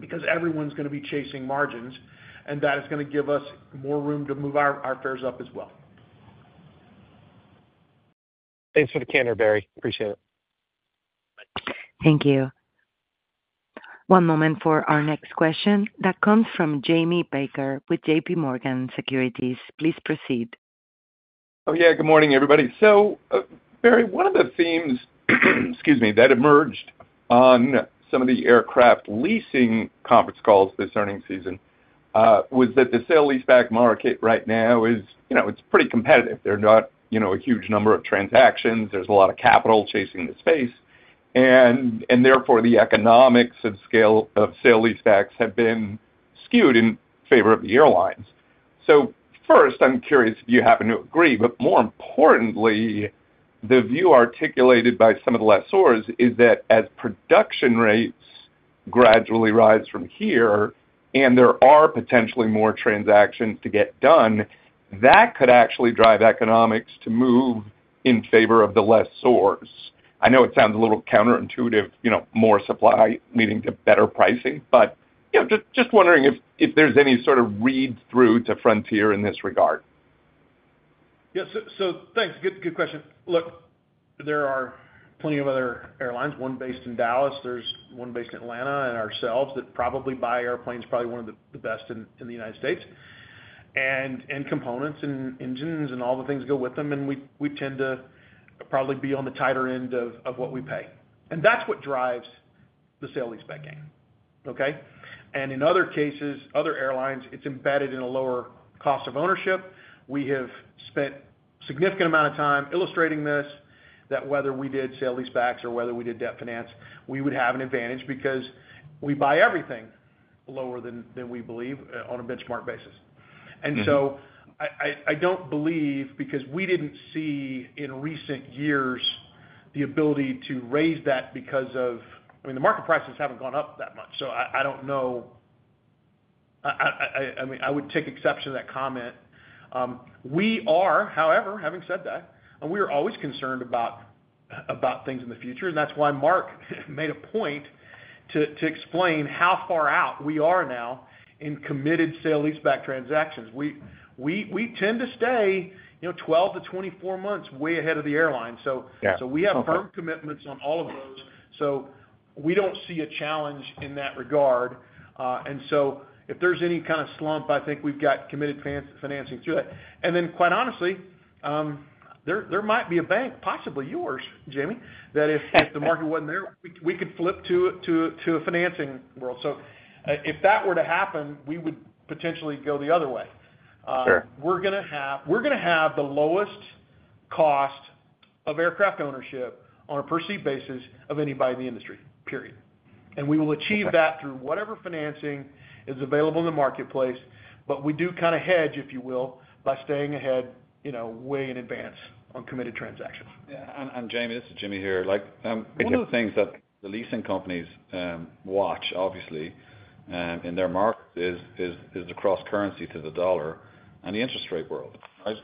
because everyone's going to be chasing margins. That is going to give us more room to move our fares up as well. Thanks for the candor, Barry. Appreciate it. Thank you. One moment for our next question that comes from Jamie Baker with JPMorgan Securities. Please proceed. Oh, yeah. Good morning, everybody. Barry, one of the themes that emerged on some of the aircraft leasing conference calls this earning season was that the sale lease-back market right now is, you know, it's pretty competitive. There are not a huge number of transactions. There's a lot of capital chasing the space, and therefore, the economics of sale lease-backs have been skewed in favor of the airlines. First, I'm curious if you happen to agree, but more importantly, the view articulated by some of the lessors is that as production rates gradually rise from here and there are potentially more transactions to get done, that could actually drive economics to move in favor of the lessors. I know it sounds a little counterintuitive, you know, more supply leading to better pricing, but just wondering if there's any sort of read-through to Frontier in this regard. Yeah, thanks. Good question. Look, there are plenty of other airlines. One based in Dallas, there's one based in Atlanta, and ourselves that probably buy airplanes, probably one of the best in the United States, and components and engines and all the things that go with them, and we tend to probably be on the tighter end of what we pay. That's what drives the sale lease-back gain. In other cases, other airlines, it's embedded in a lower cost of ownership. We have spent a significant amount of time illustrating this, that whether we did sale lease-backs or whether we did debt finance, we would have an advantage because we buy everything lower than we believe on a benchmark basis. I don't believe, because we didn't see in recent years the ability to raise that because of, I mean, the market prices haven't gone up that much. I would take exception to that comment. We are, however, always concerned about things in the future. That's why Mark made a point to explain how far out we are now in committed sale lease-back transactions. We tend to stay, you know, 12-24 months way ahead of the airline. We have firm commitments on all of those. We don't see a challenge in that regard. If there's any kind of slump, I think we've got committed financing through that. Quite honestly, there might be a bank, possibly yours, Jamie, that if the market wasn't there, we could flip to a financing world. If that were to happen, we would potentially go the other way. We're going to have the lowest cost of aircraft ownership on a perceived basis of anybody in the industry, period. We will achieve that through whatever financing is available in the marketplace. We do kind of hedge, if you will, by staying ahead, you know, way in advance on committed transactions. Yeah, Jamie, this is Jimmy here. One of the things that the leasing companies watch, obviously, in their market is the cross-currency to the dollar and the interest rate world. As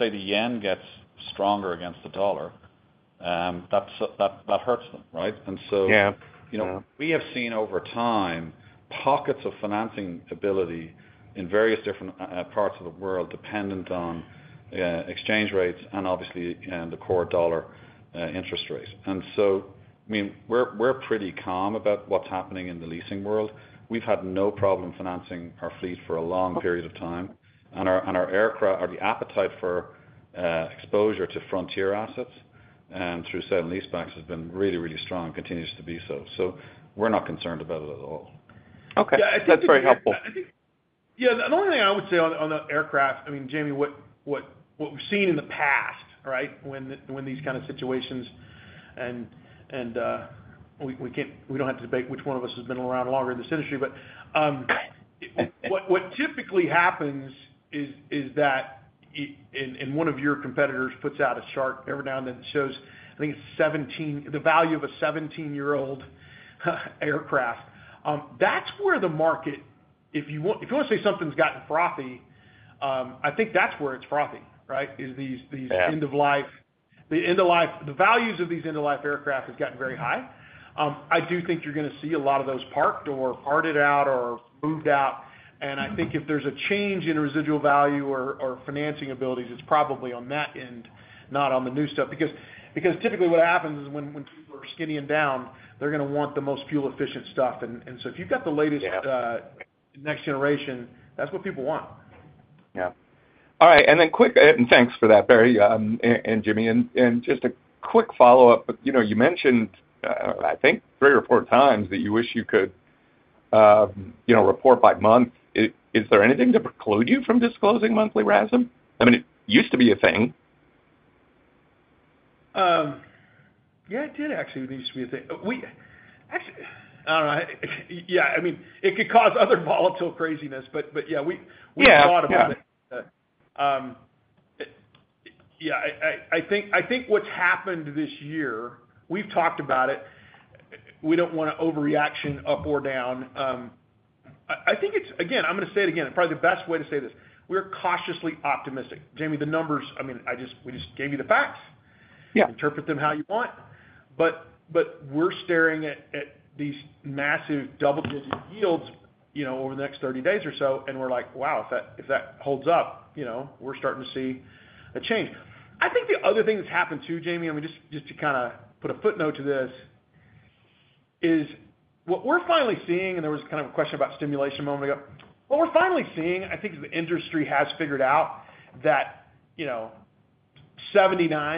the yen gets stronger against the dollar, that hurts them, right? We have seen over time pockets of financing ability in various different parts of the world dependent on exchange rates and obviously the core dollar interest rates. We're pretty calm about what's happening in the leasing world. We've had no problem financing our fleet for a long period of time. Our aircraft or the appetite for exposure to Frontier assets and through sale lease-back financing has been really, really strong and continues to be so. We're not concerned about it at all. Okay. Yeah, that's very helpful. The only thing I would say on the aircraft, I mean, Jimmy, what we've seen in the past, right, when these kind of situations, we don't have to debate which one of us has been around longer in this industry, but what typically happens is that one of your competitors puts out a chart every now and then, shows, I think it's 17, the value of a 17-year-old aircraft. That's where the market, if you want to say something's gotten frothy, I think that's where it's frothy, right? These end-of-life, the end-of-life, the values of these end-of-life aircraft have gotten very high. I do think you're going to see a lot of those parked or parted out or moved out. I think if there's a change in residual value or financing abilities, it's probably on that end, not on the new stuff. Typically what happens is when people are skinnying down, they're going to want the most fuel-efficient stuff. If you've got the latest next generation, that's what people want. All right. Thanks for that, Barry and Jimmy. Just a quick follow-up. You mentioned, I think, three or four times that you wish you could report by month. Is there anything to preclude you from disclosing monthly RASM? I mean, it used to be a thing. Yeah, it did actually used to be a thing. I don't know. It could cause other volatile craziness, but we thought about it. I think what's happened this year, we've talked about it. We don't want to overreact up or down. I think it's, again, I'm going to say it again. Probably the best way to say this. We're cautiously optimistic. Jamie, the numbers, we just gave you the facts. Interpret them how you want. We're staring at these massive double-digit yields over the next 30 days or so, and we're like, wow, if that holds up, we're starting to see a change. The other thing that's happened too, Jamie, just to kind of put a footnote to this, is what we're finally seeing, and there was kind of a question about stimulation a moment ago. What we're finally seeing, I think the industry has figured out that $79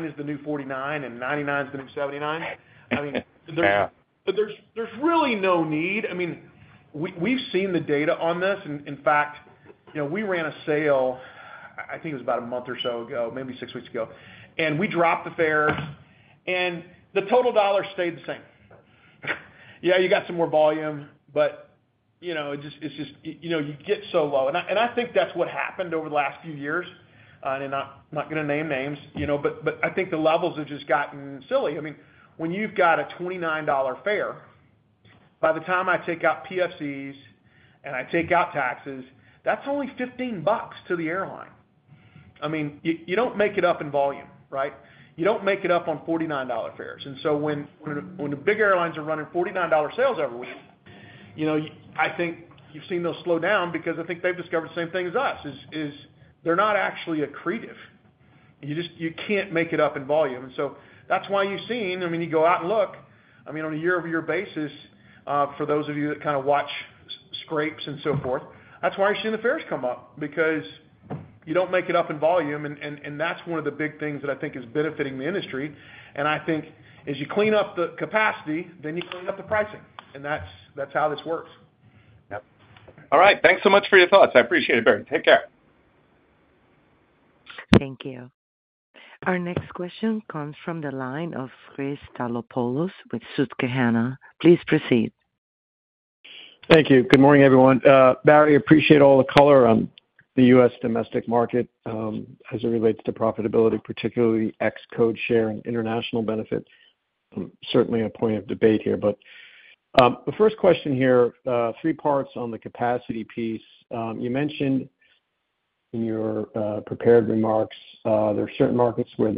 is the new $49 and $99 is the new $79. There's really no need. We've seen the data on this. In fact, we ran a sale, I think it was about a month or so ago, maybe six weeks ago, and we dropped the fares and the total dollar stayed the same. You got some more volume, but you get so low. I think that's what happened over the last few years. I'm not going to name names, but I think the levels have just gotten silly. When you've got a $29 fare, by the time I take out PFCs and I take out taxes, that's only $15 to the airline. You don't make it up in volume, right? You don't make it up on $49 fares. When the big airlines are running $49 sales every week, I think you've seen those slow down because I think they've discovered the same thing as us, is they're not actually accretive. You can't make it up in volume. That's why you've seen, you go out and look, on a year-over-year basis, for those of you that kind of watch grapes and so forth, that's why you're seeing the fares come up because you don't make it up in volume. That's one of the big things that I think is benefiting the industry. I think as you clean up the capacity, then you clean up the pricing. That's how this works. All right. Thanks so much for your thoughts. I appreciate it, Barry. Take care. Thank you. Our next question comes from the line of Chris Stathoulopoulos with Susquehanna. Please proceed. Thank you. Good morning, everyone. Barry, I appreciate all the color on the U.S. domestic market as it relates to profitability, particularly the ex-code share and international benefits. Certainly a point of debate here. The first question here, three parts on the capacity piece. You mentioned in your prepared remarks, there are certain markets where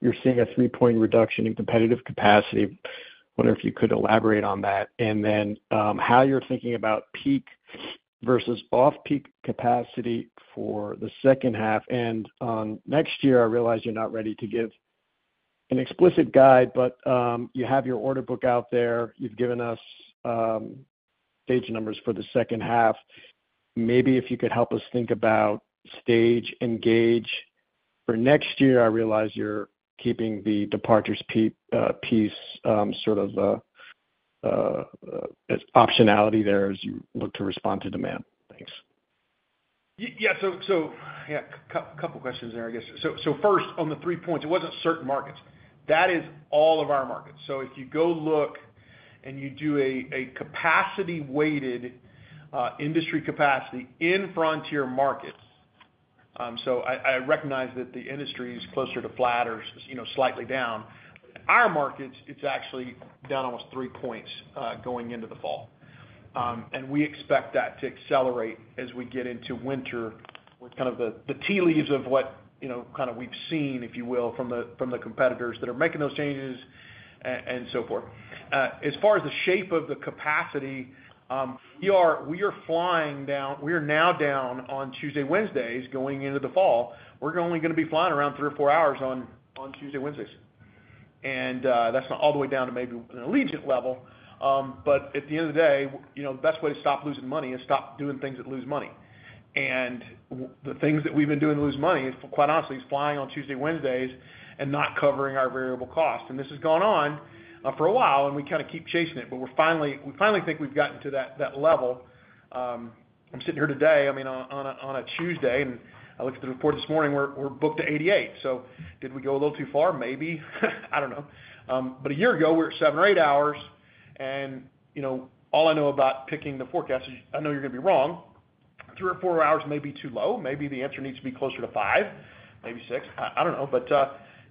you're seeing a 3 point reduction in competitive capacity. I wonder if you could elaborate on that. How you're thinking about peak versus off-peak capacity for the second half. On next year, I realize you're not ready to give an explicit guide, but you have your order book out there. You've given us stage numbers for the second half. Maybe if you could help us think about stage and gauge for next year. I realize you're keeping the departures piece sort of as optionality there as you look to respond to demand. Thanks. Yeah, a couple of questions there, I guess. First, on the three points, it wasn't certain markets. That is all of our markets. If you go look and you do a capacity-weighted industry capacity in Frontier markets, I recognize that the industry is closer to flat or slightly down. Our markets, it's actually down almost 3 points going into the fall. We expect that to accelerate as we get into winter with kind of the tea leaves of what we've seen, if you will, from the competitors that are making those changes and so forth. As far as the shape of the capacity, we are flying down. We are now down on Tuesdays, Wednesdays going into the fall. We're only going to be flying around 3 or 4 hours on Tuesdays, Wednesdays. That's not all the way down to maybe an elusive level. At the end of the day, the best way to stop losing money is stop doing things that lose money. The things that we've been doing to lose money, quite honestly, is flying on Tuesdays, Wednesdays, and not covering our variable cost. This has gone on for a while, and we kind of keep chasing it. We finally think we've gotten to that level. I'm sitting here today, on a Tuesday, and I looked at the report this morning. We're booked to 88. Did we go a little too far? Maybe. I don't know. A year ago, we were at 7 or 8 hours. All I know about picking the forecast is I know you're going to be wrong. Three or 4 hours may be too low. Maybe the answer needs to be closer to 5, maybe 6. I don't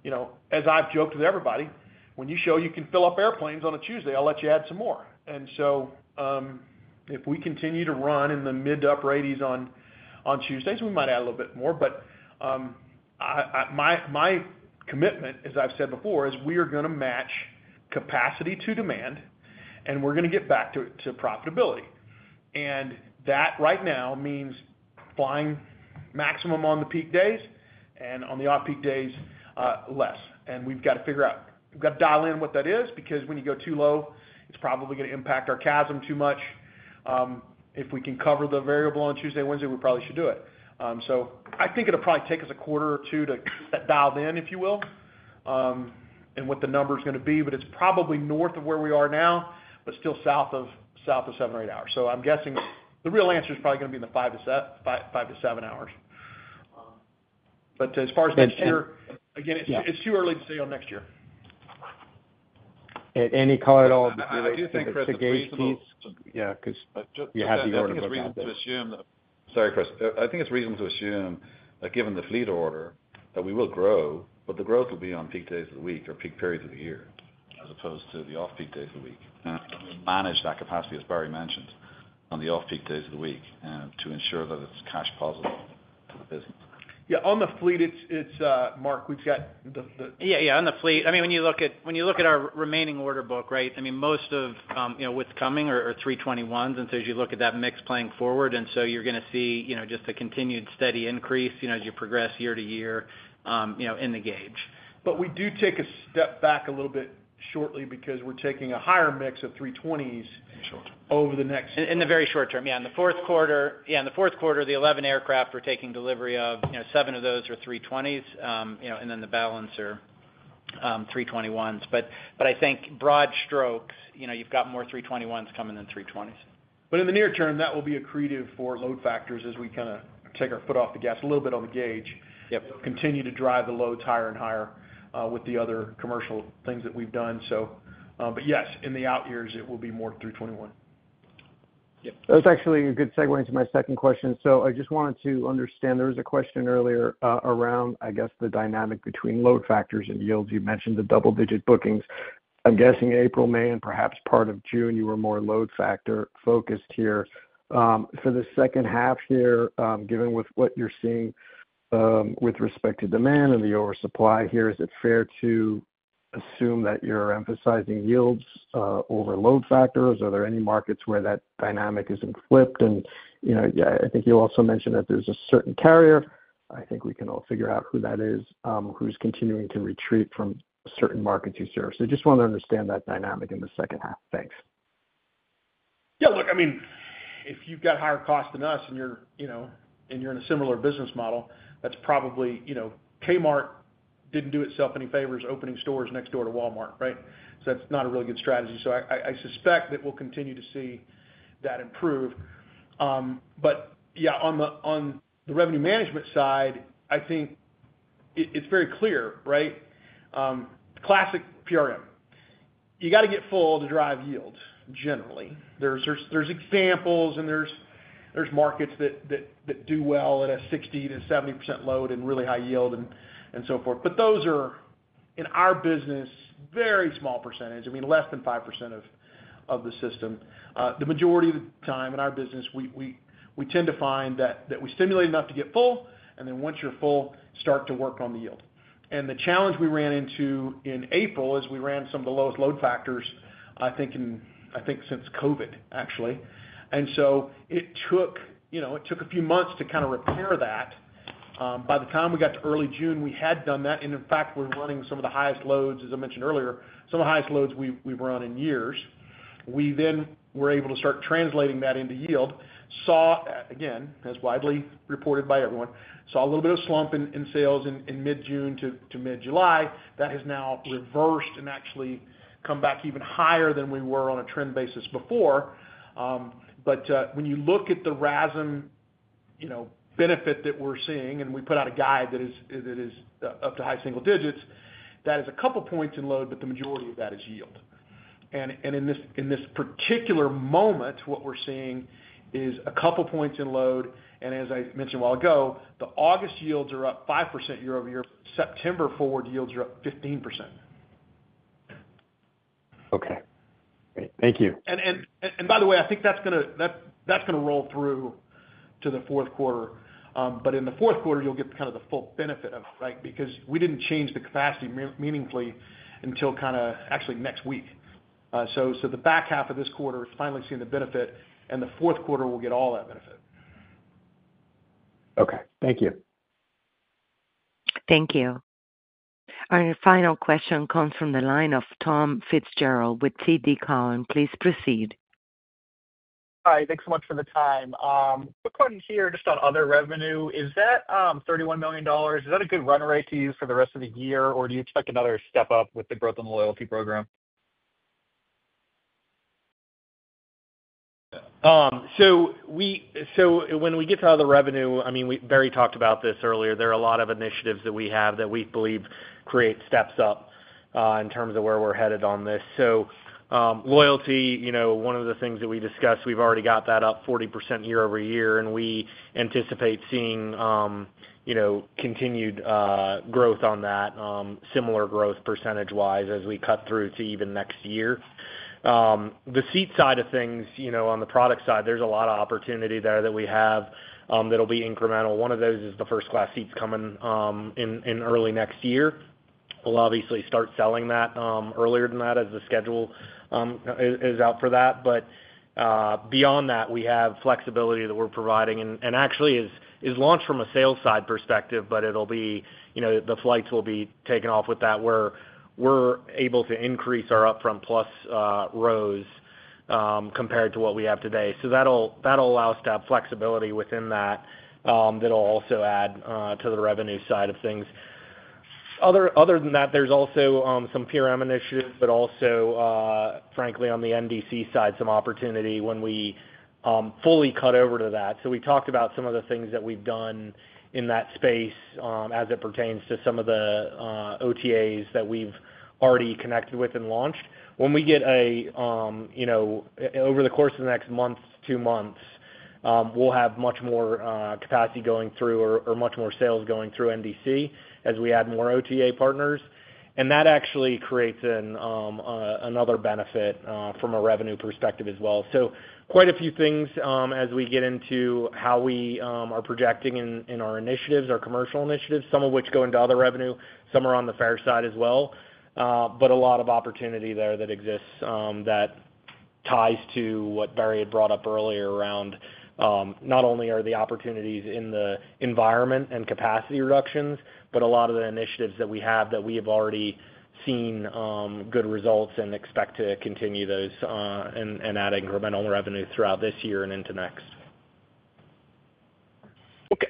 know. As I've joked with everybody, when you show you can fill up airplanes on a Tuesday, I'll let you add some more. If we continue to run in the mid-up 80s on Tuesdays, we might add a little bit more. My commitment, as I've said before, is we are going to match capacity to demand, and we're going to get back to profitability. That right now means flying maximum on the peak days and on the off-peak days less. We've got to figure out, we've got to dial in what that is because when you go too low, it's probably going to impact our CASM too much. If we can cover the variable on Tuesdays, Wednesdays, we probably should do it. I think it'll probably take us a quarter or two to dial it in, if you will, and what the number is going to be. It's probably north of where we are now, but still south of 7 or 8 hours. I'm guessing the real answer is probably going to be in the five to seven hours. As far as next year, again, it's too early to say on next year. I do think for the gauge piece, yeah, because you have the order book now. I think it's reasonable to assume, given the fleet order, that we will grow, but the growth will be on peak days of the week or peak periods of the year, as opposed to the off-peak days of the week. We manage that capacity, as Barry mentioned, on the off-peak days of the week to ensure that it's cash positive. Yeah, on the fleet, Mark, we've got the. Yeah, on the fleet. When you look at our remaining order book, most of what's coming are 321s. As you look at that mix playing forward, you're going to see just a continued steady increase as you progress year to year in the gauge. We do take a step back a little bit shortly, because we're taking a higher mix of 320s over the next. In the very short term, yeah, in the fourth quarter, the 11 aircraft we're taking delivery of, seven of those are 320s, and then the balance are 321s. I think broad strokes, you've got more 321s coming than 320s. In the near term, that will be accretive for load factors as we kind of take our foot off the gas a little bit on the gauge. Yep. Continue to drive the loads higher and higher with the other commercial things that we've done. Yes, in the out years, it will be more 321. Yeah, that's actually a good segue into my second question. I just wanted to understand, there was a question earlier around, I guess, the dynamic between load factors and yields. You mentioned the double-digit bookings. I'm guessing April, May, and perhaps part of June, you were more load factor focused here. For the second half here, given with what you're seeing with respect to demand and the oversupply here, is it fair to assume that you're emphasizing yields over load factors? Are there any markets where that dynamic isn't flipped? I think you also mentioned that there's a certain carrier. I think we can all figure out who that is, who's continuing to retreat from certain markets you serve. I just wanted to understand that dynamic in the second half. Thanks. Yeah, look, I mean, if you've got higher costs than us and you're, you know, in a similar business model, that's probably, you know, Kmart didn't do itself any favors opening stores next door to Walmart, right? That's not a really good strategy. I suspect that we'll continue to see that improve. On the revenue management side, I think it's very clear, right? Classic PRM. You got to get full to drive yields generally. There are examples and there are markets that do well at a 60%-70% load and really high yield and so forth, but those are, in our business, a very small percentage. I mean, less than 5% of the system. The majority of the time in our business, we tend to find that we stimulate enough to get full, and then once you're full, start to work on the yield. The challenge we ran into in April is we ran some of the lowest load factors, I think, since COVID, actually. It took a few months to kind of repair that. By the time we got to early June, we had done that. In fact, we're running some of the highest loads, as I mentioned earlier, some of the highest loads we've run in years. We then were able to start translating that into yield. Saw, again, as widely reported by everyone, a little bit of slump in sales in mid-June to mid-July. That has now reversed and actually come back even higher than we were on a trend basis before. When you look at the RASM benefit that we're seeing, and we put out a guide that is up to high single digits, that is a couple of points in load, but the majority of that is yield. In this particular moment, what we're seeing is a couple of points in load. As I mentioned a while ago, the August yields are up 5% year-over-year. September forward yields are up 15%. Okay, thank you. By the way, I think that's going to roll through to the fourth quarter. In the fourth quarter, you'll get kind of the full benefit of it, right? We didn't change the capacity meaningfully until kind of actually next week, so the back half of this quarter is finally seeing the benefit, and the fourth quarter will get all that benefit. Okay, thank you. Thank you. Our final question comes from the line of Tom Fitzgerald with TD Cowen. Please proceed. Hi. Thanks so much for the time. Quick question here just on other revenue. Is that $31 million? Is that a good run rate to use for the rest of the year, or do you expect another step up with the growth and loyalty program? When we get to other revenue, Barry talked about this earlier. There are a lot of initiatives that we have that we believe create steps up in terms of where we're headed on this. Loyalty, you know, one of the things that we discussed, we've already got that up 40% year-over-year, and we anticipate seeing continued growth on that, similar growth % wise as we cut through to even next year. The seat side of things, on the product side, there's a lot of opportunity there that we have that'll be incremental. One of those is the first-class seats coming in early next year. We'll obviously start selling that earlier than that as the schedule is out for that. Beyond that, we have flexibility that we're providing and actually is launched from a sales side perspective, but it'll be, the flights will be taken off with that where we're able to increase our UpFront Plus rows compared to what we have today. That'll allow us to have flexibility within that that'll also add to the revenue side of things. Other than that, there's also some PRM initiatives, but also, frankly, on the NDC side, some opportunity when we fully cut over to that. We've talked about some of the things that we've done in that space as it pertains to some of the OTAs that we've already connected with and launched. Over the course of the next month, two months, we'll have much more capacity going through or much more sales going through NDC as we add more OTA partners. That actually creates another benefit from a revenue perspective as well. Quite a few things as we get into how we are projecting in our initiatives, our commercial initiatives, some of which go into other revenue, some are on the far side as well. A lot of opportunity there that exists that ties to what Barry had brought up earlier around not only are the opportunities in the environment and capacity reductions, but a lot of the initiatives that we have that we have already seen good results and expect to continue those and add incremental revenue throughout this year and into next.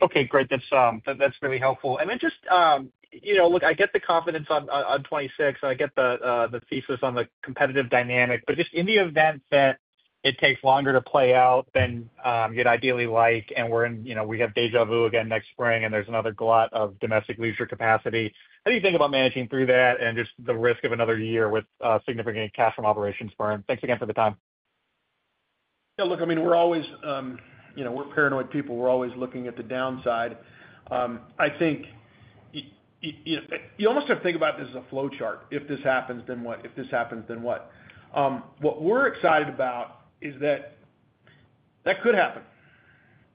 Okay, great. That's really helpful. I get the confidence on 2026, and I get the thesis on the competitive dynamic. Just in the event that it takes longer to play out than you'd ideally like, and we're in, you know, we have deja vu again next spring, and there's another glut of domestic leisure capacity, how do you think about managing through that and just the risk of another year with significant cash from operations burn? Thanks again for the time. Yeah, look, I mean, we're always, you know, we're paranoid people. We're always looking at the downside. I think you almost have to think about this as a flowchart. If this happens, then what? If this happens, then what? What we're excited about is that that could happen.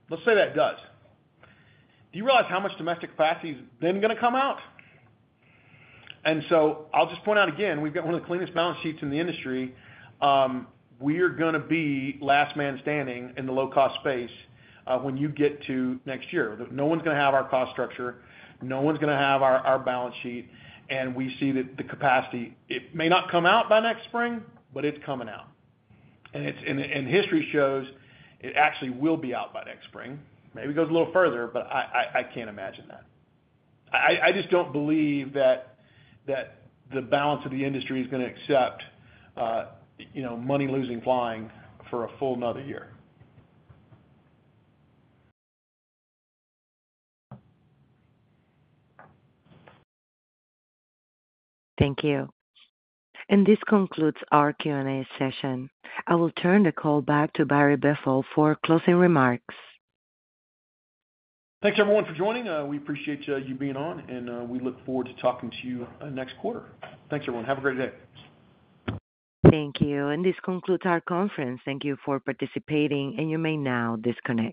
Let's say that does. Do you realize how much domestic capacity is then going to come out? I'll just point out again, we've got one of the cleanest balance sheets in the industry. We are going to be last man standing in the low-cost space when you get to next year. No one's going to have our cost structure. No one's going to have our balance sheet. We see that the capacity, it may not come out by next spring, but it's coming out. History shows it actually will be out by next spring. Maybe it goes a little further, but I can't imagine that. I just don't believe that the balance of the industry is going to accept, you know, money losing flying for a full nother year. Thank you. This concludes our Q&A session. I will turn the call back to Barry Biffle for closing remarks. Thanks, everyone, for joining. We appreciate you being on, and we look forward to talking to you next quarter. Thanks, everyone. Have a great day. Thank you. This concludes our conference. Thank you for participating, and you may now disconnect.